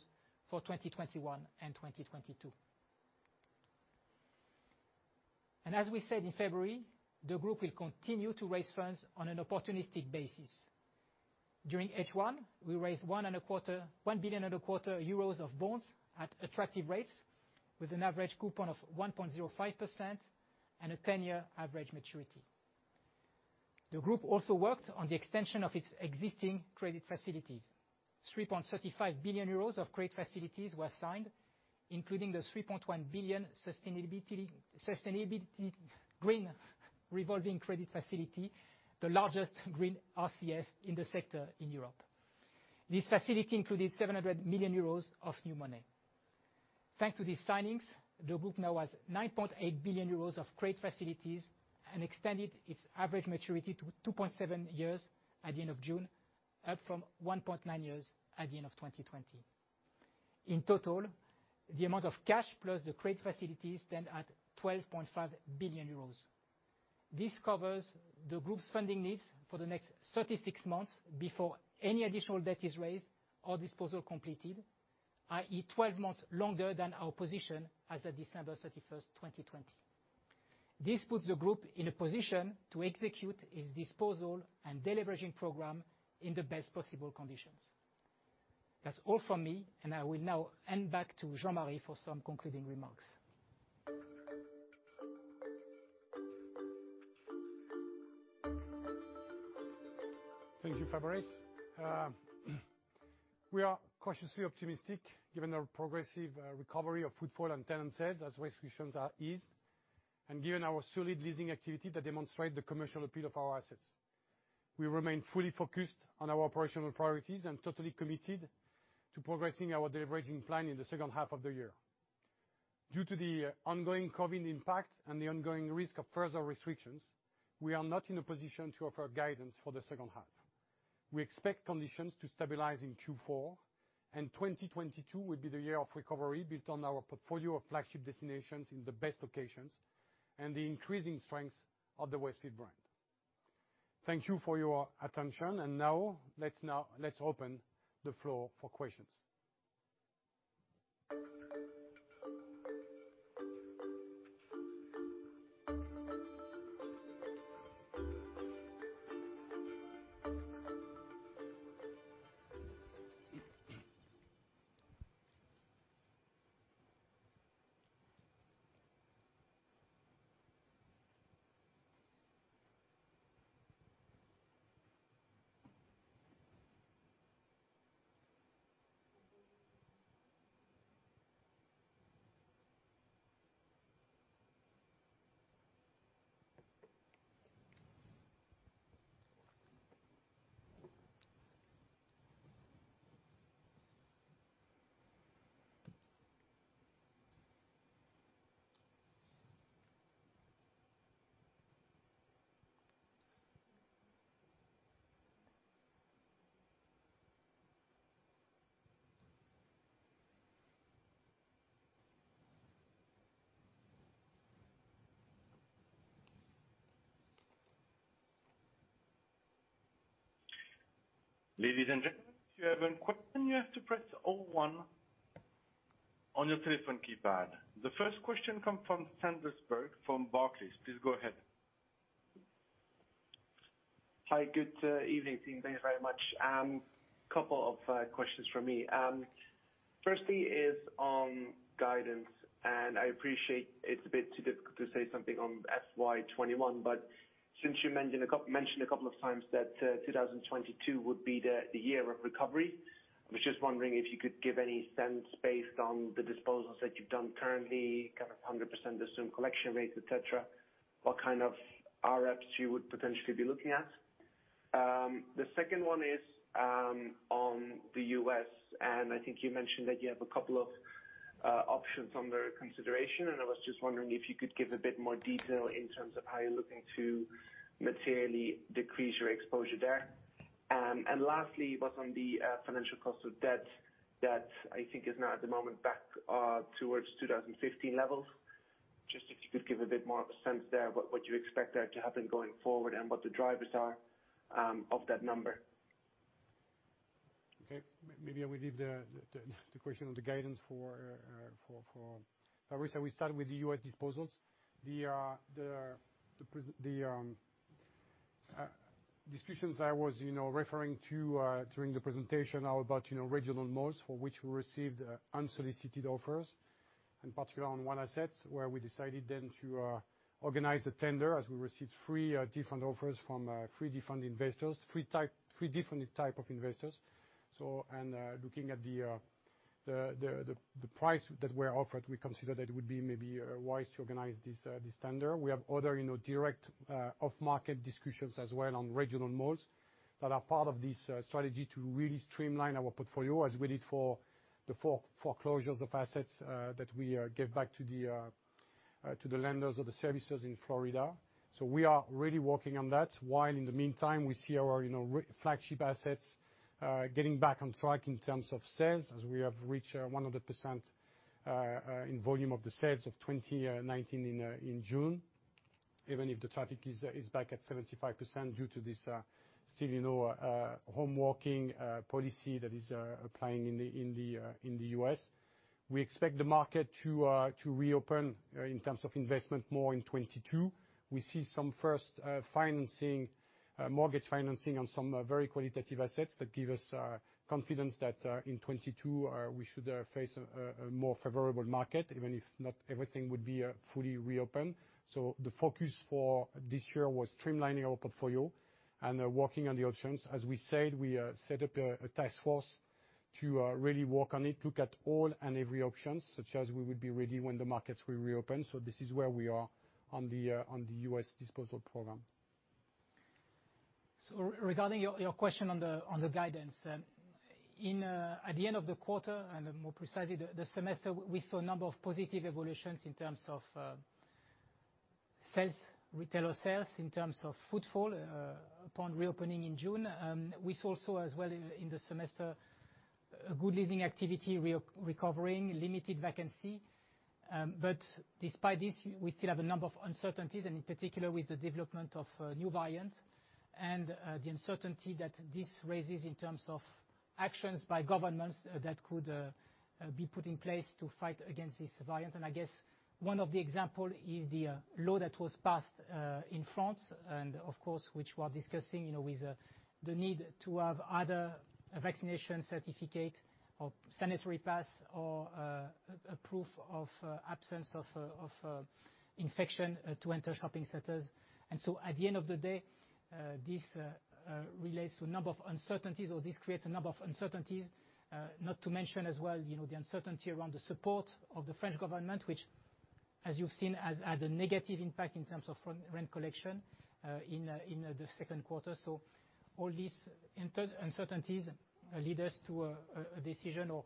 for 2021 and 2022. As we said in February, the group will continue to raise funds on an opportunistic basis. During H1, we raised 1.25 billion of bonds at attractive rates with an average coupon of 1.05% and a 10-year average maturity. The group also worked on the extension of its existing credit facilities. 3.35 billion euros of credit facilities were signed, including the 3.1 billion sustainability green revolving credit facility, the largest green RCF in the sector in Europe. This facility included 700 million euros of new money. Thanks to these signings, the group now has 9.8 billion euros of credit facilities and extended its average maturity to 2.7 years at the end of June, up from 1.9 years at the end of 2020. In total, the amount of cash plus the credit facilities stand at 12.5 billion euros. This covers the group's funding needs for the next 36 months before any additional debt is raised or disposal completed, i.e. 12 months longer than our position as at December 31st, 2020. This puts the group in a position to execute its disposal and deleveraging program in the best possible conditions. That's all from me, and I will now hand back to Jean-Marie for some concluding remarks. Thank you, Fabrice. We are cautiously optimistic given our progressive recovery of footfall and tenant sales as restrictions are eased and given our solid leasing activity that demonstrate the commercial appeal of our assets. We remain fully focused on our operational priorities and totally committed to progressing our deleveraging plan in the second half of the year. Due to the ongoing COVID impact and the ongoing risk of further restrictions, we are not in a position to offer guidance for the second half. We expect conditions to stabilize in Q4, and 2022 will be the year of recovery built on our portfolio of flagship destinations in the best locations and the increasing strength of the Westfield brand. Thank you for your attention. Now, let's open the floor for questions. Ladies and gentlemen, if you have any question, you have to press zero one on your telephone keypad. The first question come from Sander van der Blonk from Barclays. Please go ahead. Hi. Good evening, team. Thank you very much. Couple of questions from me. Firstly is on guidance. I appreciate it's a bit too difficult to say something on FY 2021, but since you mentioned a couple of times that 2022 would be the year of recovery, I was just wondering if you could give any sense based on the disposals that you've done currently, kind of 100% assumed collection rates, et cetera, what kind of AREPS you would potentially be looking at. The second one is on the U.S. I think you mentioned that you have a couple of options under consideration, and I was just wondering if you could give a bit more detail in terms of how you're looking to materially decrease your exposure there. Lastly, was on the financial cost of debt that I think is now at the moment back towards 2015 levels. Just if you could give a bit more sense there what you expect there to happen going forward and what the drivers are of that number. Okay. Maybe I will leave the question on the guidance for Fabrice. We start with the U.S. disposals. The discussions I was referring to during the presentation are about regional malls, for which we received unsolicited offers, particularly on one asset, where we decided then to organize a tender as we received three different offers from three different type of investors. Looking at the price that we're offered, we consider that it would be maybe wise to organize this tender. We have other direct off-market discussions as well on regional malls that are part of this strategy to really streamline our portfolio, as we did for the four foreclosures of assets that we gave back to the lenders or the servicers in Florida. We are really working on that, while in the meantime, we see our flagship assets getting back on track in terms of sales, as we have reached 100% in volume of the sales of 2019 in June, even if the traffic is back at 75% due to this, still, home working policy that is applying in the U.S. We expect the market to reopen, in terms of investment, more in 2022. We see some first mortgage financing on some very qualitative assets that give us confidence that in 2022, we should face a more favorable market, even if not everything would be fully reopened. The focus for this year was streamlining our portfolio and working on the options. As we said, we set up a task force to really work on it, look at all and every option, such as we would be ready when the markets will reopen. This is where we are on the U.S. disposal program. Regarding your question on the guidance. At the end of the quarter and more precisely, the semester, we saw a number of positive evolutions in terms of retail sales, in terms of footfall upon reopening in June. We saw also as well in the semester, good leasing activity recovering, limited vacancy. Despite this, we still have a number of uncertainties, and in particular, with the development of a new variant and the uncertainty that this raises in terms of actions by governments that could be put in place to fight against this variant. I guess one of the examples is the law that was passed in France, and of course, which we are discussing, with the need to have either a vaccination certificate or sanitary pass or a proof of absence of infection to enter shopping centers. At the end of the day, this relates to a number of uncertainties, or this creates a number of uncertainties. Not to mention as well, the uncertainty around the support of the French government, which, as you've seen, had a negative impact in terms of rent collection in the second quarter. All these uncertainties lead us to a decision or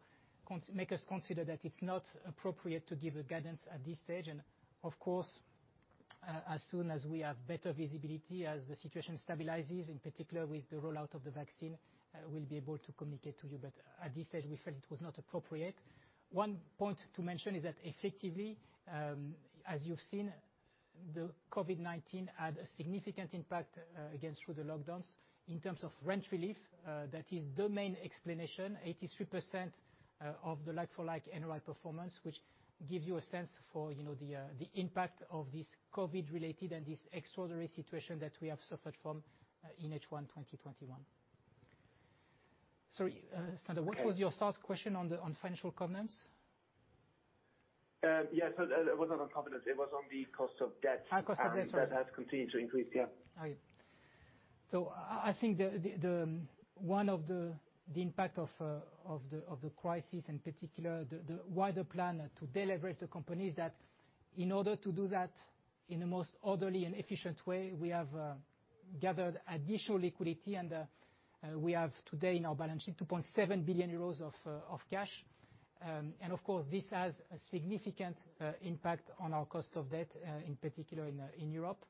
make us consider that it's not appropriate to give a guidance at this stage. Of course, as soon as we have better visibility, as the situation stabilizes, in particular with the rollout of the vaccine, we'll be able to communicate to you. At this stage, we felt it was not appropriate. One point to mention is that effectively, as you've seen, the COVID-19 had a significant impact, again, through the lockdowns in terms of rent relief. That is the main explanation, 83% of the like-for-like NRI performance, which gives you a sense for the impact of this COVID-related and this extraordinary situation that we have suffered from in H1 2021. Sorry, Sander. What was your third question on financial covenants? Yeah. It wasn't on covenants, it was on the cost of debt. Cost of debt, sorry. That has continued to increase. Yeah. I think one of the impact of the crisis, in particular, the wider plan to deleverage the company is that in order to do that in the most orderly and efficient way, we have gathered additional liquidity, and we have today in our balance sheet, 2.7 billion euros of cash. Of course, this has a significant impact on our cost of debt, in particular in Europe.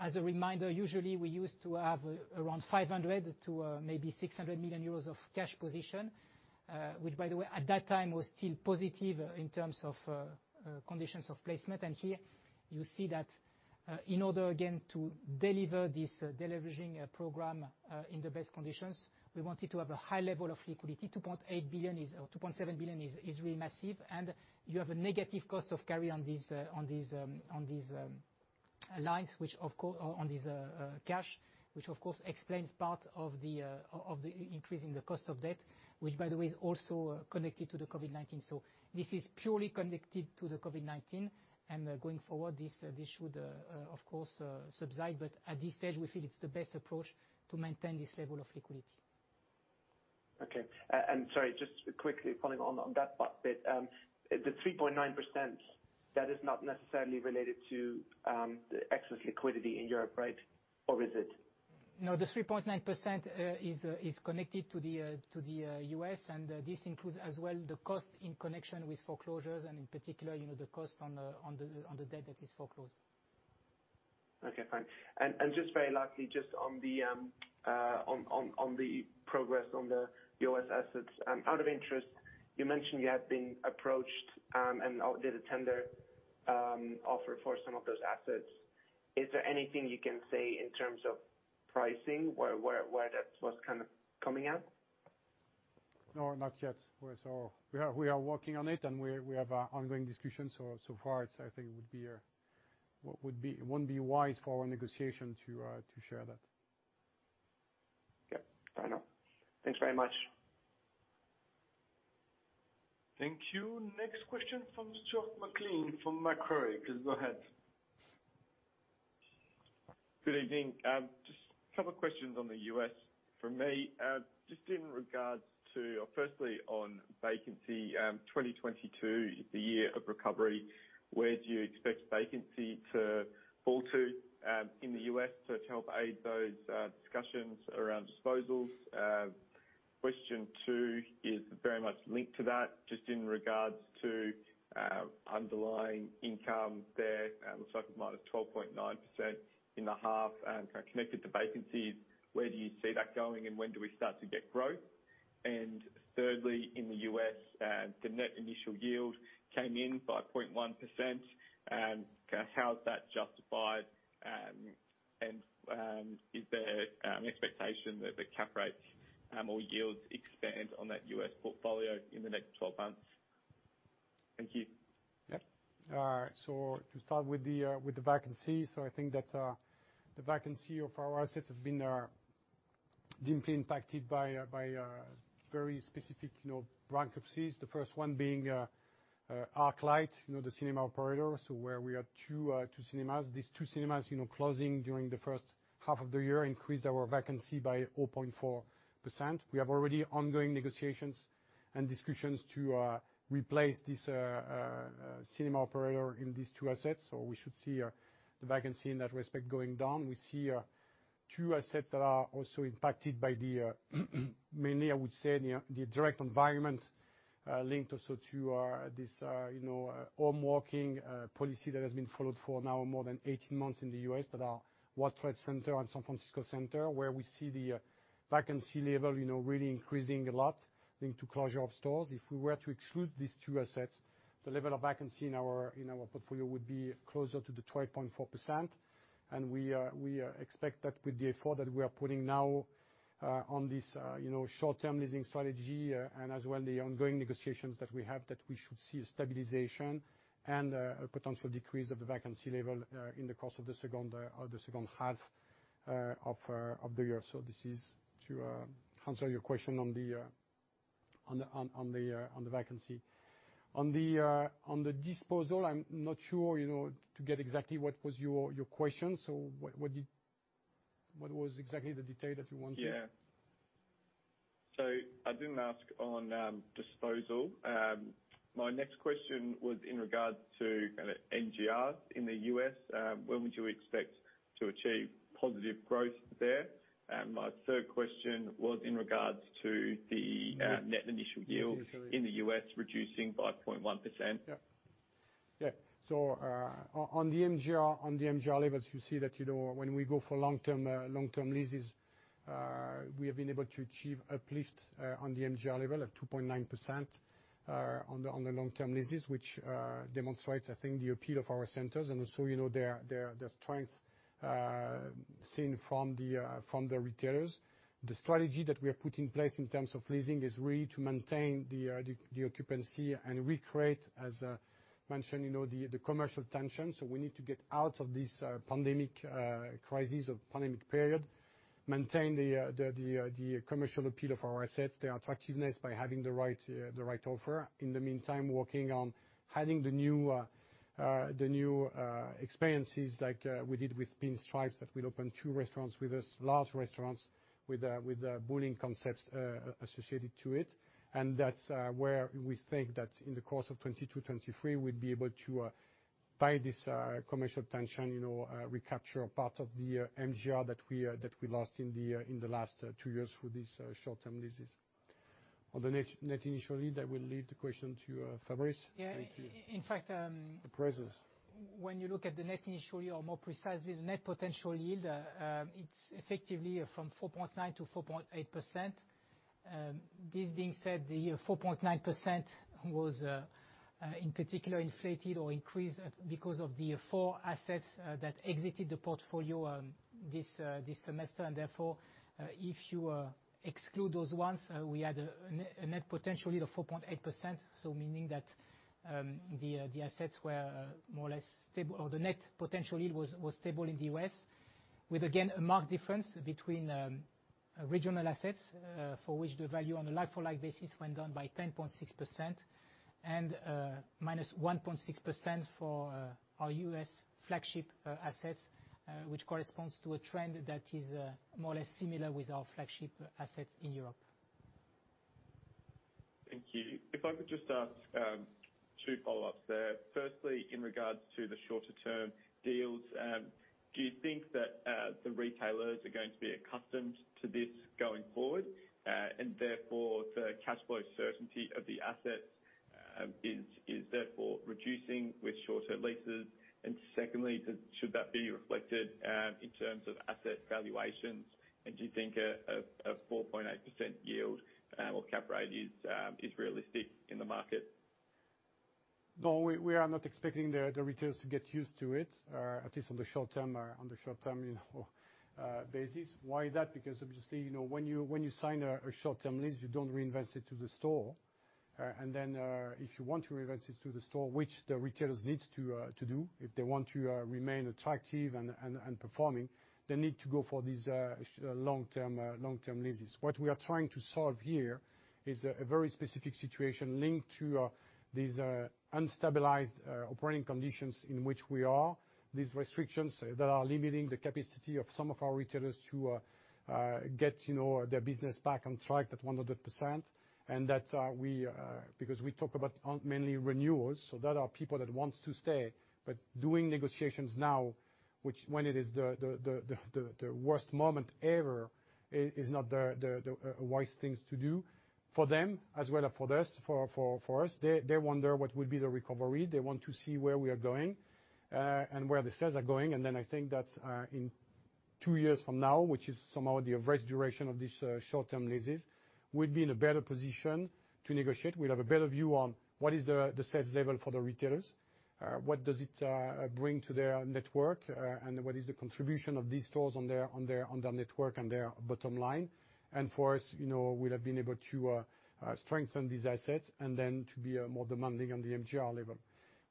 As a reminder, usually, we used to have around 500 million to maybe 600 million euros of cash position. Which, by the way, at that time was still positive in terms of conditions of placement. Here you see that in order, again, to deliver this deleveraging program in the best conditions, we wanted to have a high level of liquidity. 2.7 billion is really massive, and you have a negative cost of carry on these lines, on this cash, which of course explains part of the increase in the cost of debt, which, by the way, is also connected to the COVID-19. This is purely connected to the COVID-19, and going forward, this should, of course, subside, but at this stage, we feel it's the best approach to maintain this level of liquidity. Okay. Sorry, just quickly following on that part bit. The 3.9%, that is not necessarily related to the excess liquidity in Europe, right? Or is it? No, the 3.9% is connected to the U.S., and this includes as well the cost in connection with foreclosures and in particular, the cost on the debt that is foreclosed. Okay, fine. Just very lastly, just on the progress on the U.S. assets. Out of interest, you mentioned you had been approached, and did a tender offer for some of those assets. Is there anything you can say in terms of pricing, where that was coming out? No, not yet. We are working on it, and we have ongoing discussions. So far, it wouldn't be wise for our negotiation to share that. Yep, fair enough. Thanks very much. Thank you. Next question from Stuart McLean from Macquarie. Please go ahead. Good evening. Just a couple of questions on the U.S. from me. Just in regards to, firstly, on vacancy. 2022, the year of recovery, where do you expect vacancy to fall to in the U.S. to help aid those discussions around disposals? Question two is very much linked to that, just in regards to underlying income there. It looks like a minus 12.9% in the half. Connected to vacancies, where do you see that going, and when do we start to get growth? Thirdly, in the U.S., the net initial yield came in 5.1%. How is that justified? Is there an expectation that the cap rates or yields expand on that U.S. portfolio in the next 12 months? Thank you. To start with the vacancy, so I think that the vacancy of our assets has been deeply impacted by very specific bankruptcies, the first one being ArcLight, the cinema operator, where we had two cinemas. These two cinemas closing during the first half of the year increased our vacancy by 0.4%. We have already ongoing negotiations and discussions to replace this cinema operator in these two assets. We should see the vacancy in that respect going down. We see two assets that are also impacted by the mainly, I would say, the direct environment linked also to this home working policy that has been followed for now more than 18 months in the U.S., that are World Trade Center and San Francisco Center, where we see the vacancy level really increasing a lot, linked to closure of stores. If we were to exclude these two assets, the level of vacancy in our portfolio would be closer to the 12.4%. We expect that with the effort that we are putting now on this short-term leasing strategy, and as well the ongoing negotiations that we have, that we should see a stabilization and a potential decrease of the vacancy level in the course of the second half of the year. This is to answer your question on the vacancy. On the disposal, I'm not sure to get exactly what was your question. What was exactly the detail that you wanted? Yeah. I didn't ask on disposal. My next question was in regards to NGR in the U.S. When would you expect to achieve positive growth there? My third question was in regards to the net initial yield. Yes, sorry. in the U.S. reducing by 0.1%. Yep. On the NGR levels, you see that when we go for long-term leases, we have been able to achieve uplift on the NGR level of 2.9% on the long-term leases, which demonstrates, I think, the appeal of our centers and also, their strength seen from the retailers. The strategy that we are putting in place in terms of leasing is really to maintain the occupancy and recreate, as mentioned, the commercial tension. We need to get out of this pandemic crisis or pandemic period, maintain the commercial appeal of our assets, their attractiveness by having the right offer. In the meantime, working on having the new experiences like we did with Pinstripes, that will open two restaurants with us, large restaurants with bowling concepts associated to it. That's where we think that in the course of 2022, 2023, we'd be able to, by this commercial tension, recapture a part of the NRI that we lost in the last two years with these short-term leases. On the net initially, I will leave the question to Fabrice. Yeah. Thank you. In fact- The prices. when you look at the net initially, or more precisely, the net potential yield, it's effectively from 4.9% to 4.8%. This being said, the 4.9% was in particular inflated or increased because of the four assets that exited the portfolio this semester. Therefore, if you exclude those ones, we had a net potential yield of 4.8%, so meaning that the assets were more or less stable, or the net potential yield was stable in the U.S., with again, a marked difference between regional assets, for which the value on a like-for-like basis went down by 10.6%, and -1.6% for our U.S. flagship assets, which corresponds to a trend that is more or less similar with our flagship assets in Europe. Thank you. If I could just ask two follow-ups there. Firstly, in regards to the shorter-term deals, do you think that the retailers are going to be accustomed to this going forward? Therefore, the cash flow certainty of the assets is therefore reducing with shorter leases. Secondly, should that be reflected in terms of asset valuations? Do you think a 4.8% yield or cap rate is realistic in the market? No, we are not expecting the retailers to get used to it, or at least on the short term, or on the short term basis. Why is that? Obviously, when you sign a short-term lease, you don't reinvest it to the store. If you want to reinvest it to the store, which the retailers needs to do if they want to remain attractive and performing, they need to go for these long-term leases. What we are trying to solve here is a very specific situation linked to these unstabilized operating conditions in which we are, these restrictions that are limiting the capacity of some of our retailers to get their business back on track at 100%. We talk about mainly renewals, so that are people that wants to stay. Doing negotiations now, when it is the worst moment ever, is not the wise thing to do for them as well as for us. They wonder what will be the recovery. They want to see where we are going, and where the sales are going. I think that in two years from now, which is somehow the average duration of these short-term leases, we'll be in a better position to negotiate. We'll have a better view on what is the sales level for the retailers, what does it bring to their network, and what is the contribution of these stores on their network and their bottom line. For us, we'll have been able to strengthen these assets and then to be more demanding on the MGR level.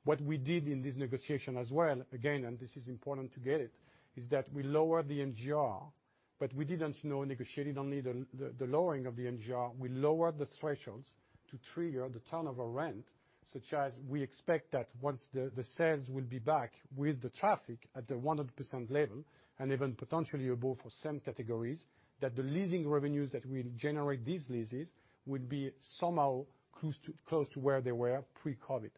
What we did in this negotiation as well, again, this is important to get it, is that we lowered the MGR. We didn't negotiate only the lowering of the MGR, we lowered the thresholds to trigger the turnover rent, such as we expect that once the sales will be back with the traffic at the 100% level, and even potentially above for some categories, that the leasing revenues that will generate these leases will be somehow close to where they were pre-COVID.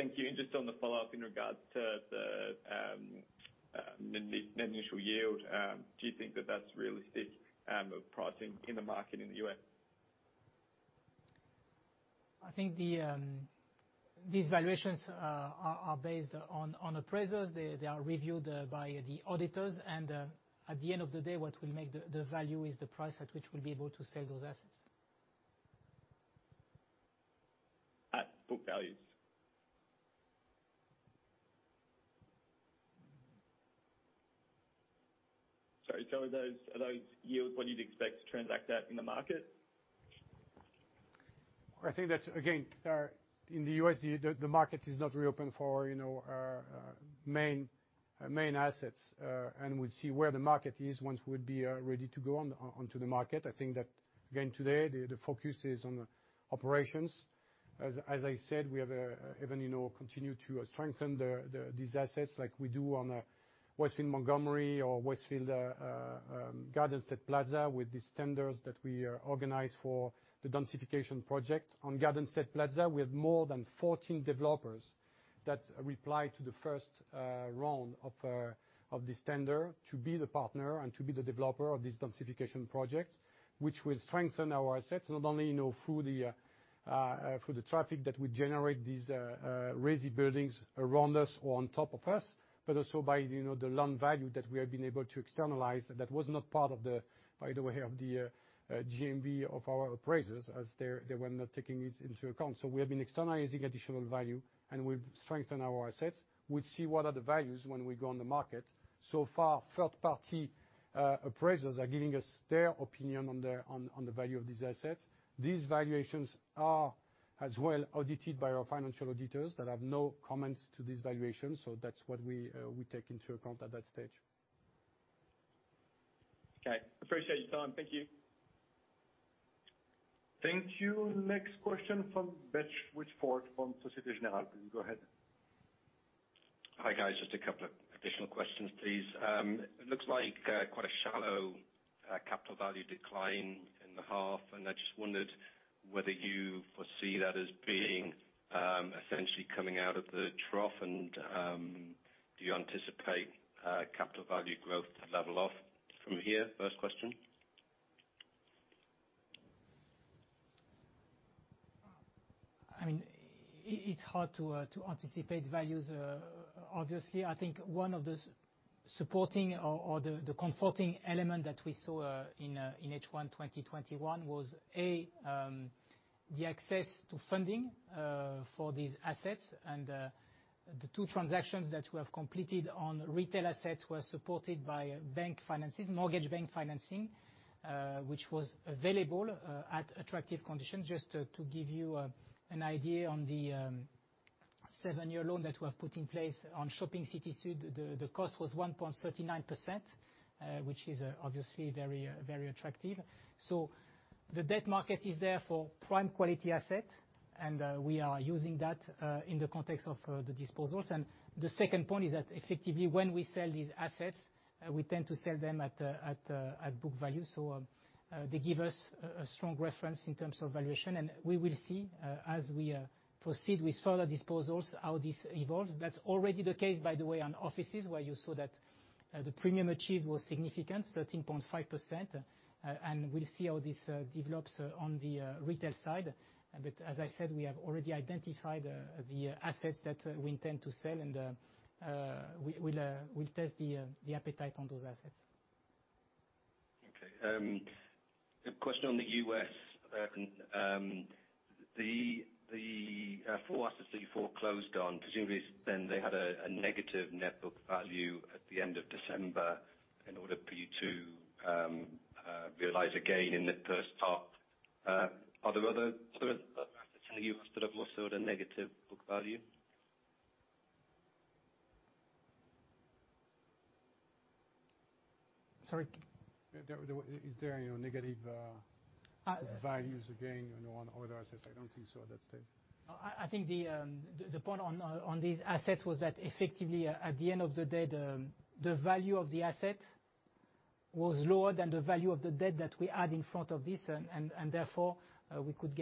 Thank you. Just on the follow-up in regards to the net initial yield, do you think that that's realistic pricing in the market in the U.S.? I think these valuations are based on appraisers. They are reviewed by the auditors. At the end of the day, what will make the value is the price at which we'll be able to sell those assets. At book values. Sorry, are those yields what you'd expect to transact at in the market? I think that, again, in the U.S., the market is not reopen for our main assets. We'll see where the market is once we'd be ready to go onto the market. I think that, again today, the focus is on the operations. As I said, we have even continued to strengthen these assets like we do on Westfield Montgomery or Westfield Garden State Plaza, with these tenders that we organize for the densification project. On Garden State Plaza, we have more than 14 developers that reply to the first round of this tender to be the partner and to be the developer of this densification project, which will strengthen our assets, not only through the traffic that we generate these raising buildings around us or on top of us, but also by the land value that we have been able to externalize that was not part of the, by the way, of the GMV of our appraisers, as they were not taking it into account. We have been externalizing additional value, and we've strengthened our assets. We'll see what are the values when we go on the market. Third-party appraisers are giving us their opinion on the value of these assets. These valuations are as well audited by our financial auditors that have no comments to these valuations. That's what we take into account at that stage. Okay. Appreciate your time. Thank you. Thank you. Next question from Ben Richford from Société Générale. Go ahead. Hi, guys. Just a couple of additional questions, please. It looks like quite a shallow capital value decline in the half, and I just wondered whether you foresee that as being essentially coming out of the trough, and do you anticipate capital value growth to level off from here? First question. It's hard to anticipate values. Obviously, I think one of the supporting or the comforting element that we saw in H1 2021 was, A, the access to funding for these assets. The two transactions that we have completed on retail assets were supported by bank finances, mortgage bank financing, which was available at attractive conditions. Just to give you an idea on the seven-year loan that we have put in place on Shopping City Süd, the cost was 1.39%, which is obviously very attractive. The debt market is there for prime quality asset, and we are using that in the context of the disposals. The second point is that effectively, when we sell these assets, we tend to sell them at book value. They give us a strong reference in terms of valuation, and we will see as we proceed with further disposals how this evolves. That's already the case, by the way, on offices, where you saw that the premium achieved was significant, 13.5%, and we'll see how this develops on the retail side. As I said, we have already identified the assets that we intend to sell, and we'll test the appetite on those assets. A question on the U.S. The four assets that you foreclosed on, presumably then they had a negative net book value at the end of December in order for you to realize a gain in the first half. Are there other assets that you must have also had a negative book value? Sorry? Is there any negative values again on other assets? I don't think so at that stage. I think the point on these assets was that effectively at the end of the day, the value of the asset was lower than the value of the debt that we had in front of this, and therefore we could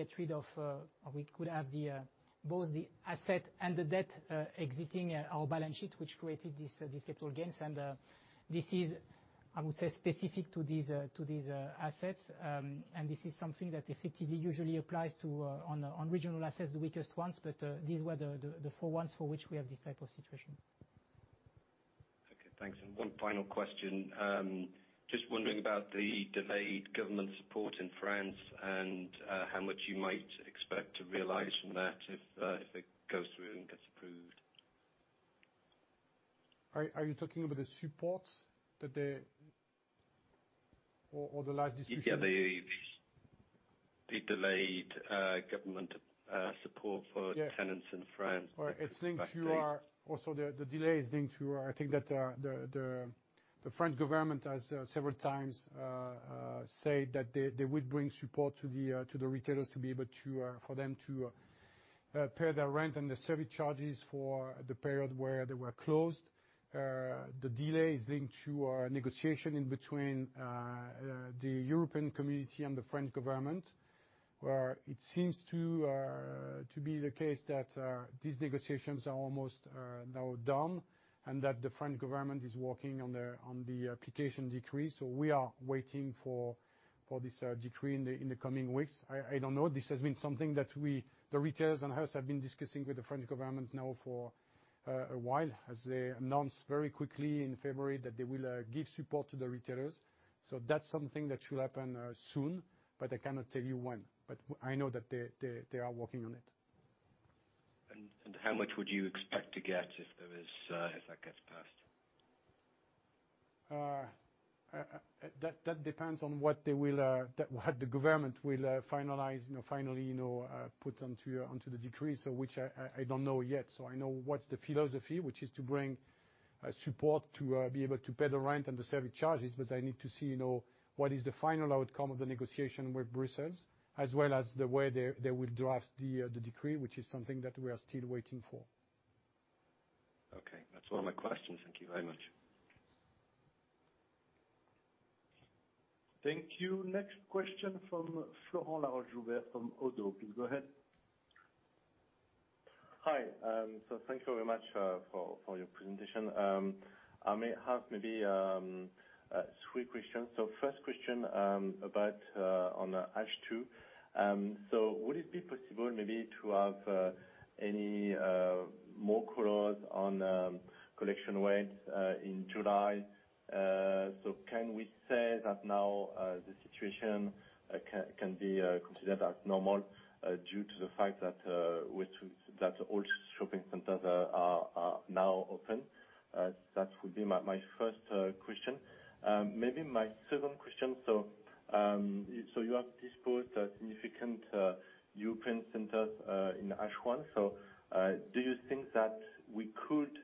have both the asset and the debt exiting our balance sheet, which created these capital gains. This is, I would say, specific to these assets. This is something that effectively usually applies on regional assets, the weakest ones, but these were the four ones for which we have this type of situation. Okay, thanks. One final question. Just wondering about the delayed government support in France and how much you might expect to realize from that if it goes through and gets approved? Are you talking about the support or the last discussion? Yeah, the delayed government support for tenants in France. The delay is linked to, I think that the French government has several times said that they would bring support to the retailers to be able for them to pay their rent and the service charges for the period where they were closed. The delay is linked to a negotiation in between the European Community and the French government, where it seems to be the case that these negotiations are almost now done, and that the French government is working on the application decree. We are waiting for this decree in the coming weeks. I don't know. This has been something that the retailers and us have been discussing with the French government now for a while, as they announced very quickly in February that they will give support to the retailers. That's something that should happen soon, but I cannot tell you when. I know that they are working on it. How much would you expect to get if that gets passed? That depends on what the government will finalize, finally put onto the decree, which I don't know yet. I know what's the philosophy, which is to bring support to be able to pay the rent and the service charges. I need to see, what is the final outcome of the negotiation with Brussels, as well as the way they will draft the decree, which is something that we are still waiting for. Okay. That's all my questions. Thank you very much. Thank you. Next question from Florent Laroche-Joubert from ODDO BHF. Please go ahead. Hi. Thank you very much for your presentation. I may have maybe three questions. First question about on H2. Would it be possible maybe to have any more color on collection rates in July? Can we say that now the situation can be considered as normal due to the fact that all shopping centers are now open? That would be my first question. Maybe my second question. You have disposed a significant European center in H1. Do you think that we could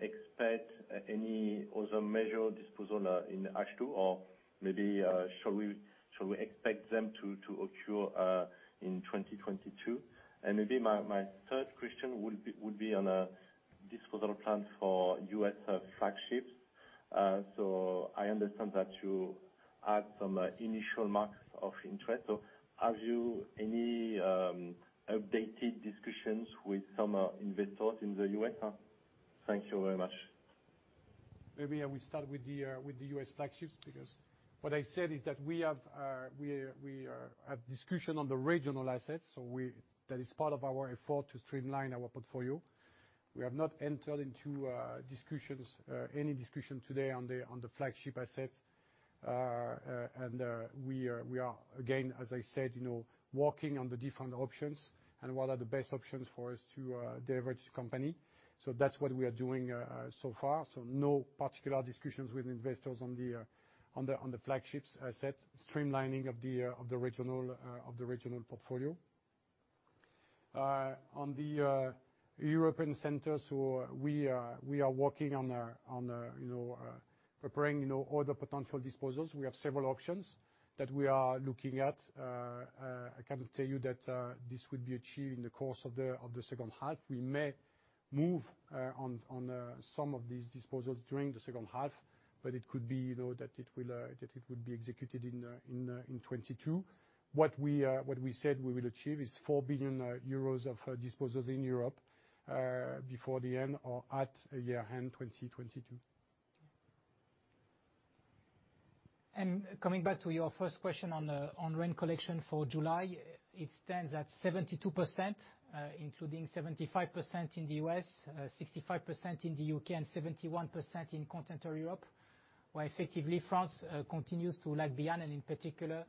expect any other major disposal in H2? Maybe shall we expect them to occur in 2022? Maybe my third question would be on a disposal plan for U.S. flagships. I understand that you had some initial marks of interest. Have you any updated discussions with some investors in the U.S.? Thank you very much. Maybe I will start with the U.S. flagships, because what I said is that we have discussion on the regional assets. That is part of our effort to streamline our portfolio. We have not entered into any discussion today on the flagship assets. We are, again, as I said, working on the different options and what are the best options for us to de-risk company. That's what we are doing so far. No particular discussions with investors on the flagships asset, streamlining of the regional portfolio. On the European centers, we are working on preparing all the potential disposals. We have several options that we are looking at. I cannot tell you that this will be achieved in the course of the second half. We may move on some of these disposals during the second half, but it could be that it would be executed in 2022. What we said we will achieve is 4 billion euros of disposals in Europe before the end or at year-end 2022. Coming back to your first question on rent collection for July, it stands at 72%, including 75% in the U.S., 65% in the U.K., and 71% in Continental Europe. Effectively France continues to lag behind, and in particular,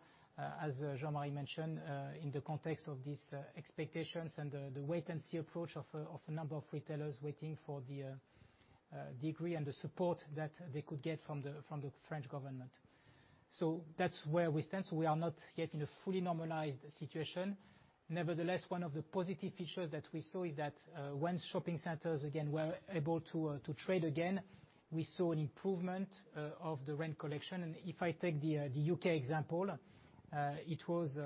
as Jean-Marie mentioned, in the context of these expectations and the wait-and-see approach of a number of retailers waiting for the degree and the support that they could get from the French government. That's where we stand. We are not yet in a fully normalized situation. Nevertheless, one of the positive features that we saw is that, when shopping centers again were able to trade again, we saw an improvement of the rent collection. If I take the U.K. example, it was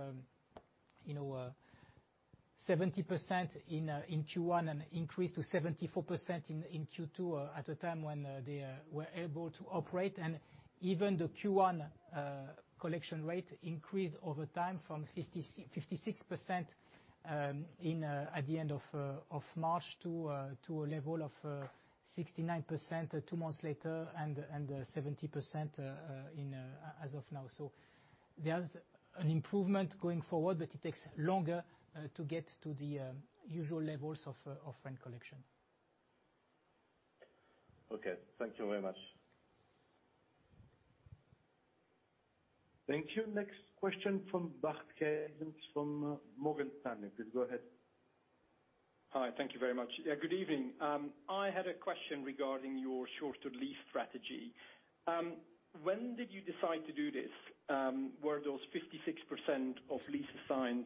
70% in Q1 and increased to 74% in Q2 at a time when they were able to operate. Even the Q1 collection rate increased over time from 56% at the end of March to a level of 69% two months later, and 70% as of now. There's an improvement going forward, but it takes longer to get to the usual levels of rent collection. Okay. Thank you very much. Thank you. Next question from Bart Gysens from Morgan Stanley. Please go ahead. Hi. Thank you very much. Good evening. I had a question regarding your shorter lease strategy. When did you decide to do this? Were those 56% of leases signed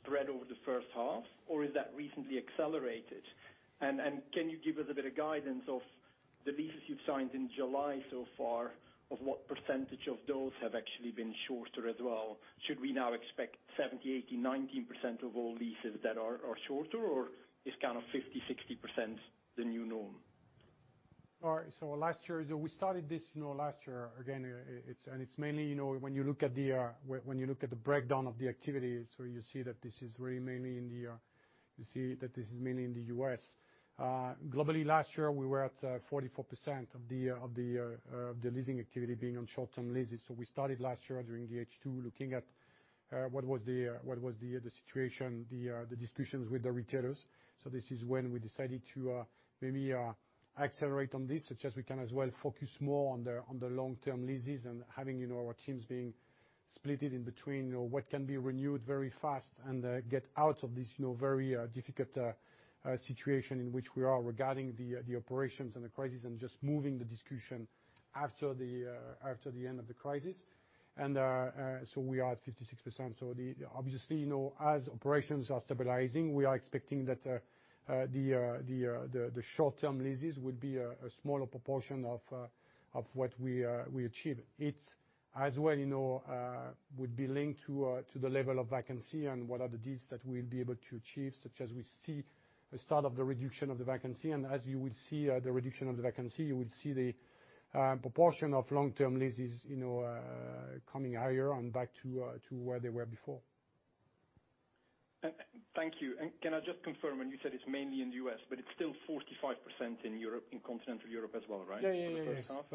spread over the first half, or is that recently accelerated? Can you give us a bit of guidance of the leases you've signed in July so far, of what % of those have actually been shorter as well? Should we now expect 70%, 80%, 90% of all leases that are shorter, or is kind of 50%, 60% the new norm? All right. Last year, we started this last year. Again, it is mainly, when you look at the breakdown of the activity, you see that this is mainly in the U.S. Globally, last year, we were at 44% of the leasing activity being on short-term leases. We started last year during the H2, looking at what was the situation, the discussions with the retailers. This is when we decided to maybe accelerate on this, such as we can as well focus more on the long-term leases and having our teams being split in between what can be renewed very fast and get out of this very difficult situation in which we are regarding the operations and the crisis, and just moving the discussion after the end of the crisis. We are at 56%. Obviously, as operations are stabilizing, we are expecting that the short-term leases will be a smaller proportion of what we achieve. It, as well, would be linked to the level of vacancy and what are the deals that we'll be able to achieve, such as we see the start of the reduction of the vacancy. As you will see the reduction of the vacancy, you will see the proportion of long-term leases coming higher and back to where they were before. Thank you. Can I just confirm, and you said it's mainly in the U.S., but it's still 45% in continental Europe as well, right? Yeah. For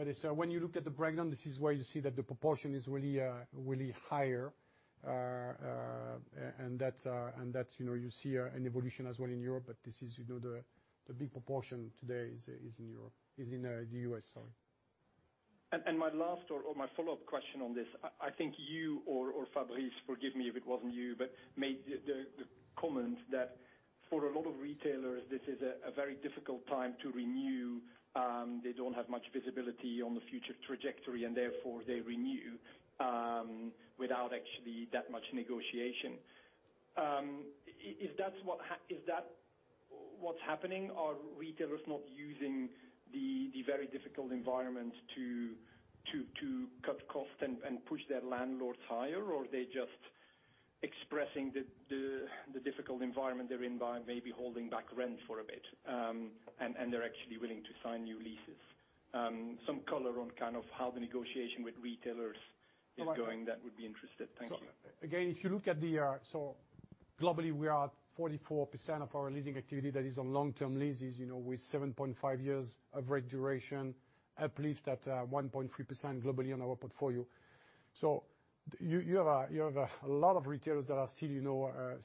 the first half. When you look at the breakdown, this is where you see that the proportion is really higher, and that you see an evolution as well in Europe, but the big proportion today is in the U.S., sorry. My last or my follow-up question on this, I think you or Fabrice, forgive me if it wasn't you, but made the comment that for a lot of retailers, this is a very difficult time to renew. They don't have much visibility on the future trajectory, and therefore, they renew without actually that much negotiation. Is that what's happening? Are retailers not using the very difficult environment to cut cost and push their landlords higher? Are they just expressing the difficult environment they're in by maybe holding back rent for a bit, and they're actually willing to sign new leases? Some color on kind of how the negotiation with retailers is going. That would be interesting. Thank you. Again, if you look at globally, we are at 44% of our leasing activity that is on long-term leases, with 7.5 years average duration, uplifts that 1.3% globally on our portfolio. You have a lot of retailers that are still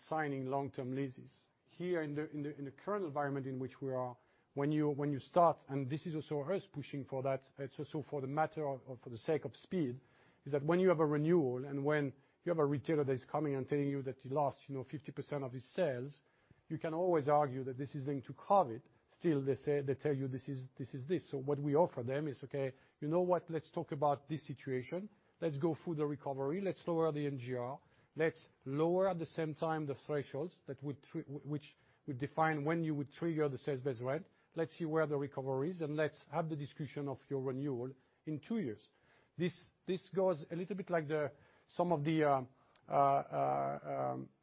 signing long-term leases. Here in the current environment in which we are, when you start, and this is also us pushing for that, it's also for the matter of, for the sake of speed, is that when you have a renewal and when you have a retailer that is coming and telling you that he lost 50% of his sales, you can always argue that this is linked to COVID. Still, they tell you this is this. What we offer them is, "Okay. You know what? Let's talk about this situation. Let's go through the recovery. Let's lower the MGR. Let's lower, at the same time, the thresholds, which we define when you would trigger the sales-based rent. Let's see where the recovery is, and let's have the discussion of your renewal in two years. This goes a little bit like some of the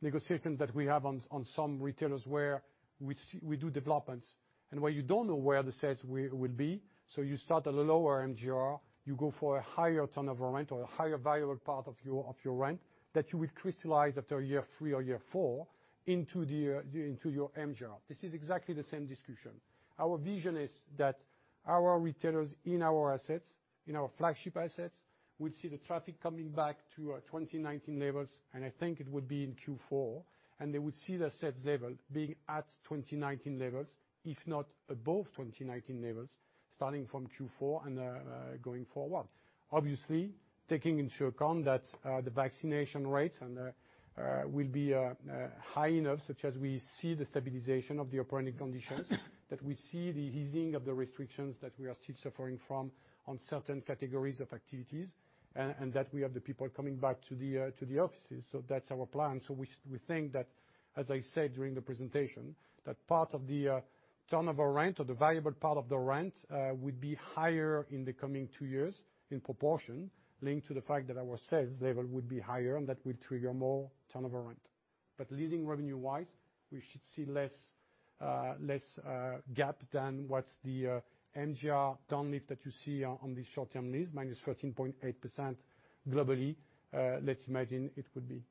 negotiations that we have on some retailers where we do developments and where you don't know where the sales will be. You start at a lower MGR, you go for a higher turnover rent or a higher variable part of your rent that you will crystallize after year three or year four into your MGR. This is exactly the same discussion. Our vision is that our retailers in our assets, in our flagship assets, will see the traffic coming back to our 2019 levels, and I think it would be in Q4, and they will see the sales level being at 2019 levels, if not above 2019 levels, starting from Q4 and going forward. Obviously, taking into account that the vaccination rates will be high enough, such that we see the stabilization of the operating conditions, that we see the easing of the restrictions that we are still suffering from on certain categories of activities, and that we have the people coming back to the offices. That's our plan. We think that, as I said during the presentation, that part of the turnover rent or the valuable part of the rent, would be higher in the coming two years, in proportion, linked to the fact that our sales level would be higher and that will trigger more turnover rent. Leasing revenue-wise, we should see less gap than what the MGR down lift that you see on these short-term lease, -13.8% globally. Let's imagine it would be.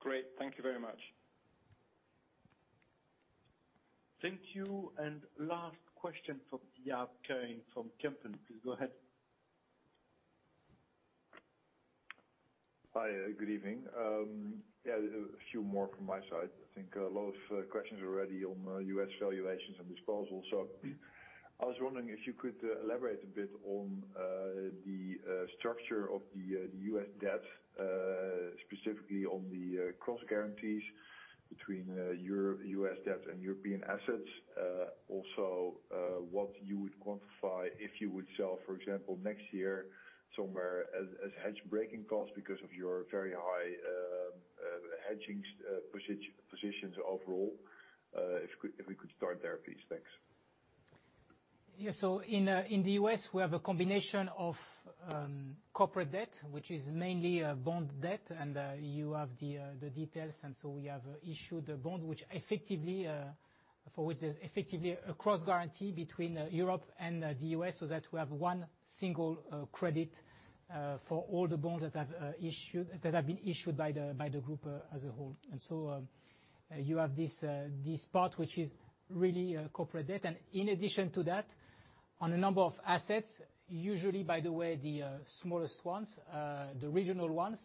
Great. Thank you very much. Thank you. Last question from Jaap Kuin from Kempen. Please go ahead. Hi. Good evening. Yeah, a few more from my side. I think a lot of questions already on U.S. valuations and disposals. I was wondering if you could elaborate a bit on the structure of the U.S. debt, specifically on the cross-guarantees between U.S. debt and European assets. Also, what you would quantify if you would sell, for example, next year, somewhere as hedge breaking cost because of your very high hedging positions overall. If we could start there, please. Thanks. Yeah. In the U.S., we have a combination of corporate debt, which is mainly bond debt, and you have the details. We have issued a bond, for which effectively a cross guarantee between Europe and the U.S. so that we have one single credit for all the bonds that have been issued by the group as a whole. You have this part, which is really a corporate debt. In addition to that, on a number of assets, usually, by the way, the smallest ones, the regional ones,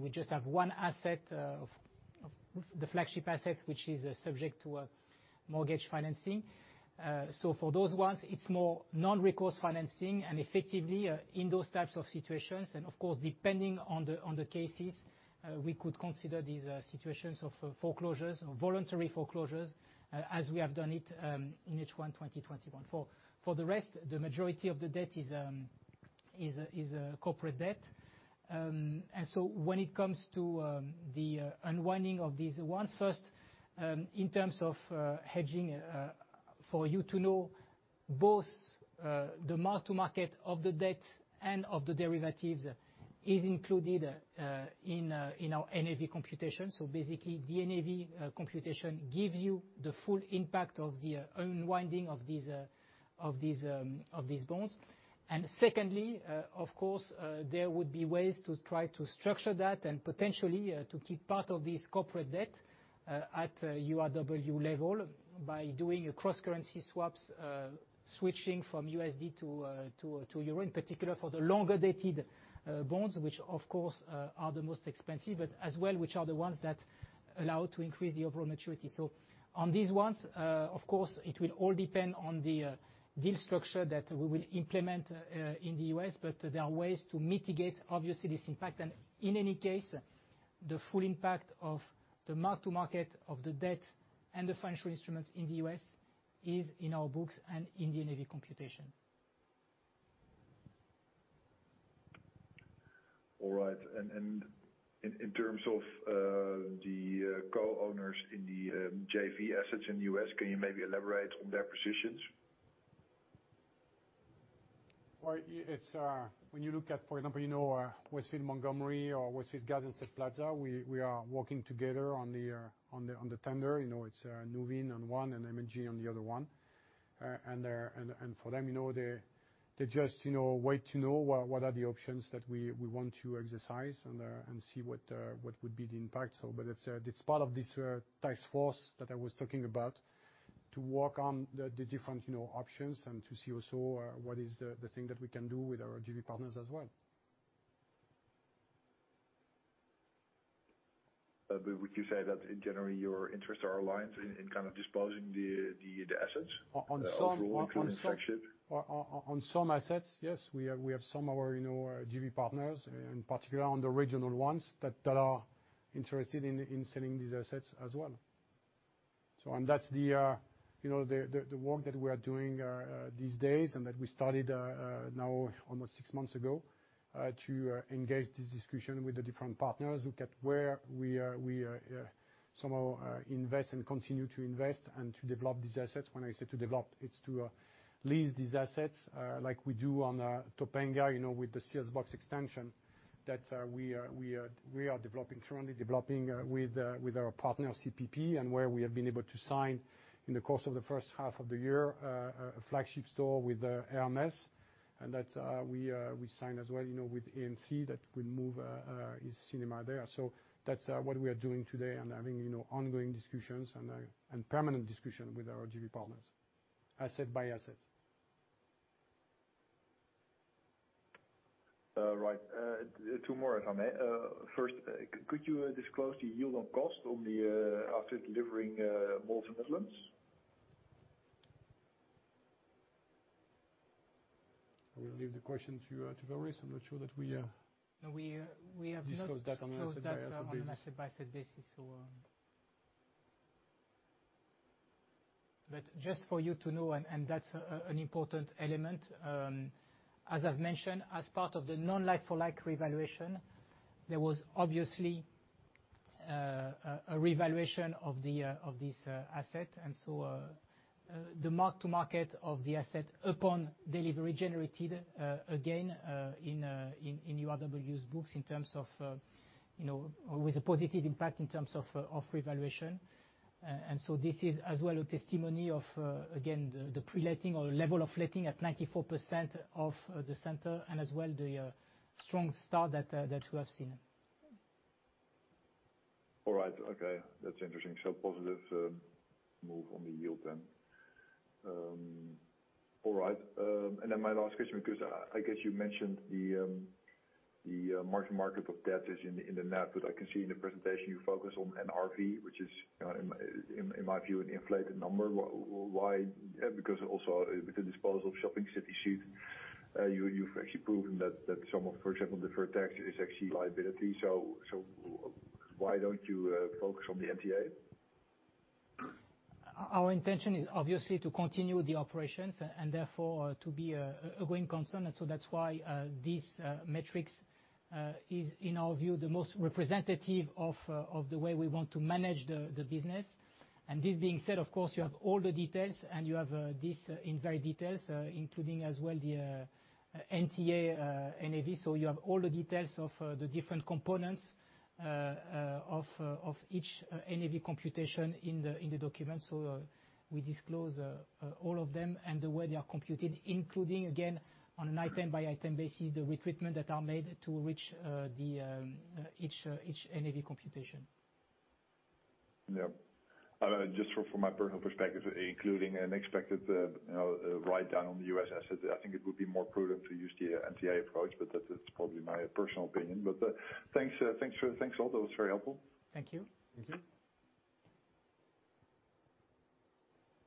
we just have one asset, the flagship asset, which is subject to a mortgage financing. For those ones, it's more non-recourse financing and effectively, in those types of situations, and of course, depending on the cases, we could consider these situations of foreclosures or voluntary foreclosures as we have done it in H1 2021. For the rest, the majority of the debt is a corporate debt. When it comes to the unwinding of these ones, first, in terms of hedging, for you to know, both the mark to market of the debt and of the derivatives is included in our NAV computation. The NAV computation gives you the full impact of the unwinding of these bonds. Secondly, of course, there would be ways to try to structure that and potentially to keep part of this corporate debt at URW level by doing cross-currency swaps, switching from USD to EUR, in particular for the longer-dated bonds, which of course, are the most expensive, but as well, which are the ones that allow to increase the overall maturity. On these ones, of course, it will all depend on the deal structure that we will implement in the U.S., but there are ways to mitigate, obviously, this impact. In any case, the full impact of the mark to market of the debt and the financial instruments in the U.S. is in our books and in the NAV computation. All right. In terms of the co-owners in the JV assets in the U.S., can you maybe elaborate on their positions? When you look at, for example, Westfield Montgomery or Westfield Garden State Plaza, we are working together on the tender. It's Nuveen on one and M&G on the other one. For them, they just wait to know what are the options that we want to exercise and see what would be the impact. It's part of this task force that I was talking about to work on the different options and to see also what is the thing that we can do with our JV partners as well. Would you say that in general, your interests are aligned in kind of disposing the assets- On some- overall, including sections? On some assets, yes. We have some our JV partners, in particular on the regional ones, that are interested in selling these assets as well. That's the work that we are doing these days and that we started now almost six months ago, to engage this discussion with the different partners, look at where we are, somehow invest and continue to invest and to develop these assets. When I say to develop, it's to lease these assets, like we do on Topanga, with the Sears box extension that we are currently developing with our partner, CPP, and where we have been able to sign in the course of the first half of the year, a flagship store with Hermès, and that we signed as well, with AMC that will move his cinema there. That's what we are doing today and having ongoing discussions and permanent discussion with our JV partners, asset by asset. Right. Two more from me. First, could you disclose the yield on cost after delivering Mall of the Netherlands? I'm going to leave the question to you, to Fabrice. I'm not sure that we. No, we have not. Disclosed that on an asset by asset basis. Just for you to know, and that's an important element, as I've mentioned, as part of the like-for-like revaluation, there was obviously a revaluation of this asset. The mark to market of the asset upon delivery generated again in URW's books with a positive impact in terms of revaluation. This is as well a testimony of, again, the pre-letting or level of letting at 94% of the center, and as well, the strong start that we have seen. All right. Okay. That's interesting. Positive move on the yield then. All right. My last question, because I guess you mentioned the mark-to-market of debt is in the net, but I can see in the presentation you focus on NRV, which is, in my view, an inflated number. Why? Because also with the disposal of Shopping City Süd, you've actually proven that some of, for example, the deferred tax is actually liability. Why don't you focus on the NTA? Our intention is obviously to continue the operations and therefore to be a going concern. That's why this metric is, in our view, the most representative of the way we want to manage the business. This being said, of course, you have all the details, and you have this in very details, including as well the NTA NAV. You have all the details of the different components of each NAV computation in the document. We disclose all of them and the way they are computed, including, again, on an item-by-item basis, the treatment that are made to reach each NAV computation. Yeah. Just from my personal perspective, including an expected write-down on the U.S. asset, I think it would be more prudent to use the NTA approach, but that is probably my personal opinion. Thanks a lot. That was very helpful. Thank you. Thank you.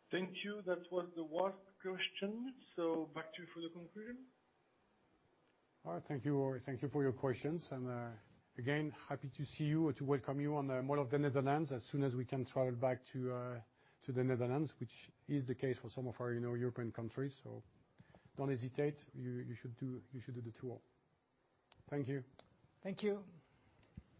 Thank you. That was the last question. Back to you for the conclusion. All right. Thank you, all. Thank you for your questions. Again, happy to see you or to welcome you on Mall of the Netherlands as soon as we can travel back to the Netherlands, which is the case for some of our European countries. Don't hesitate. You should do the tour. Thank you. Thank you.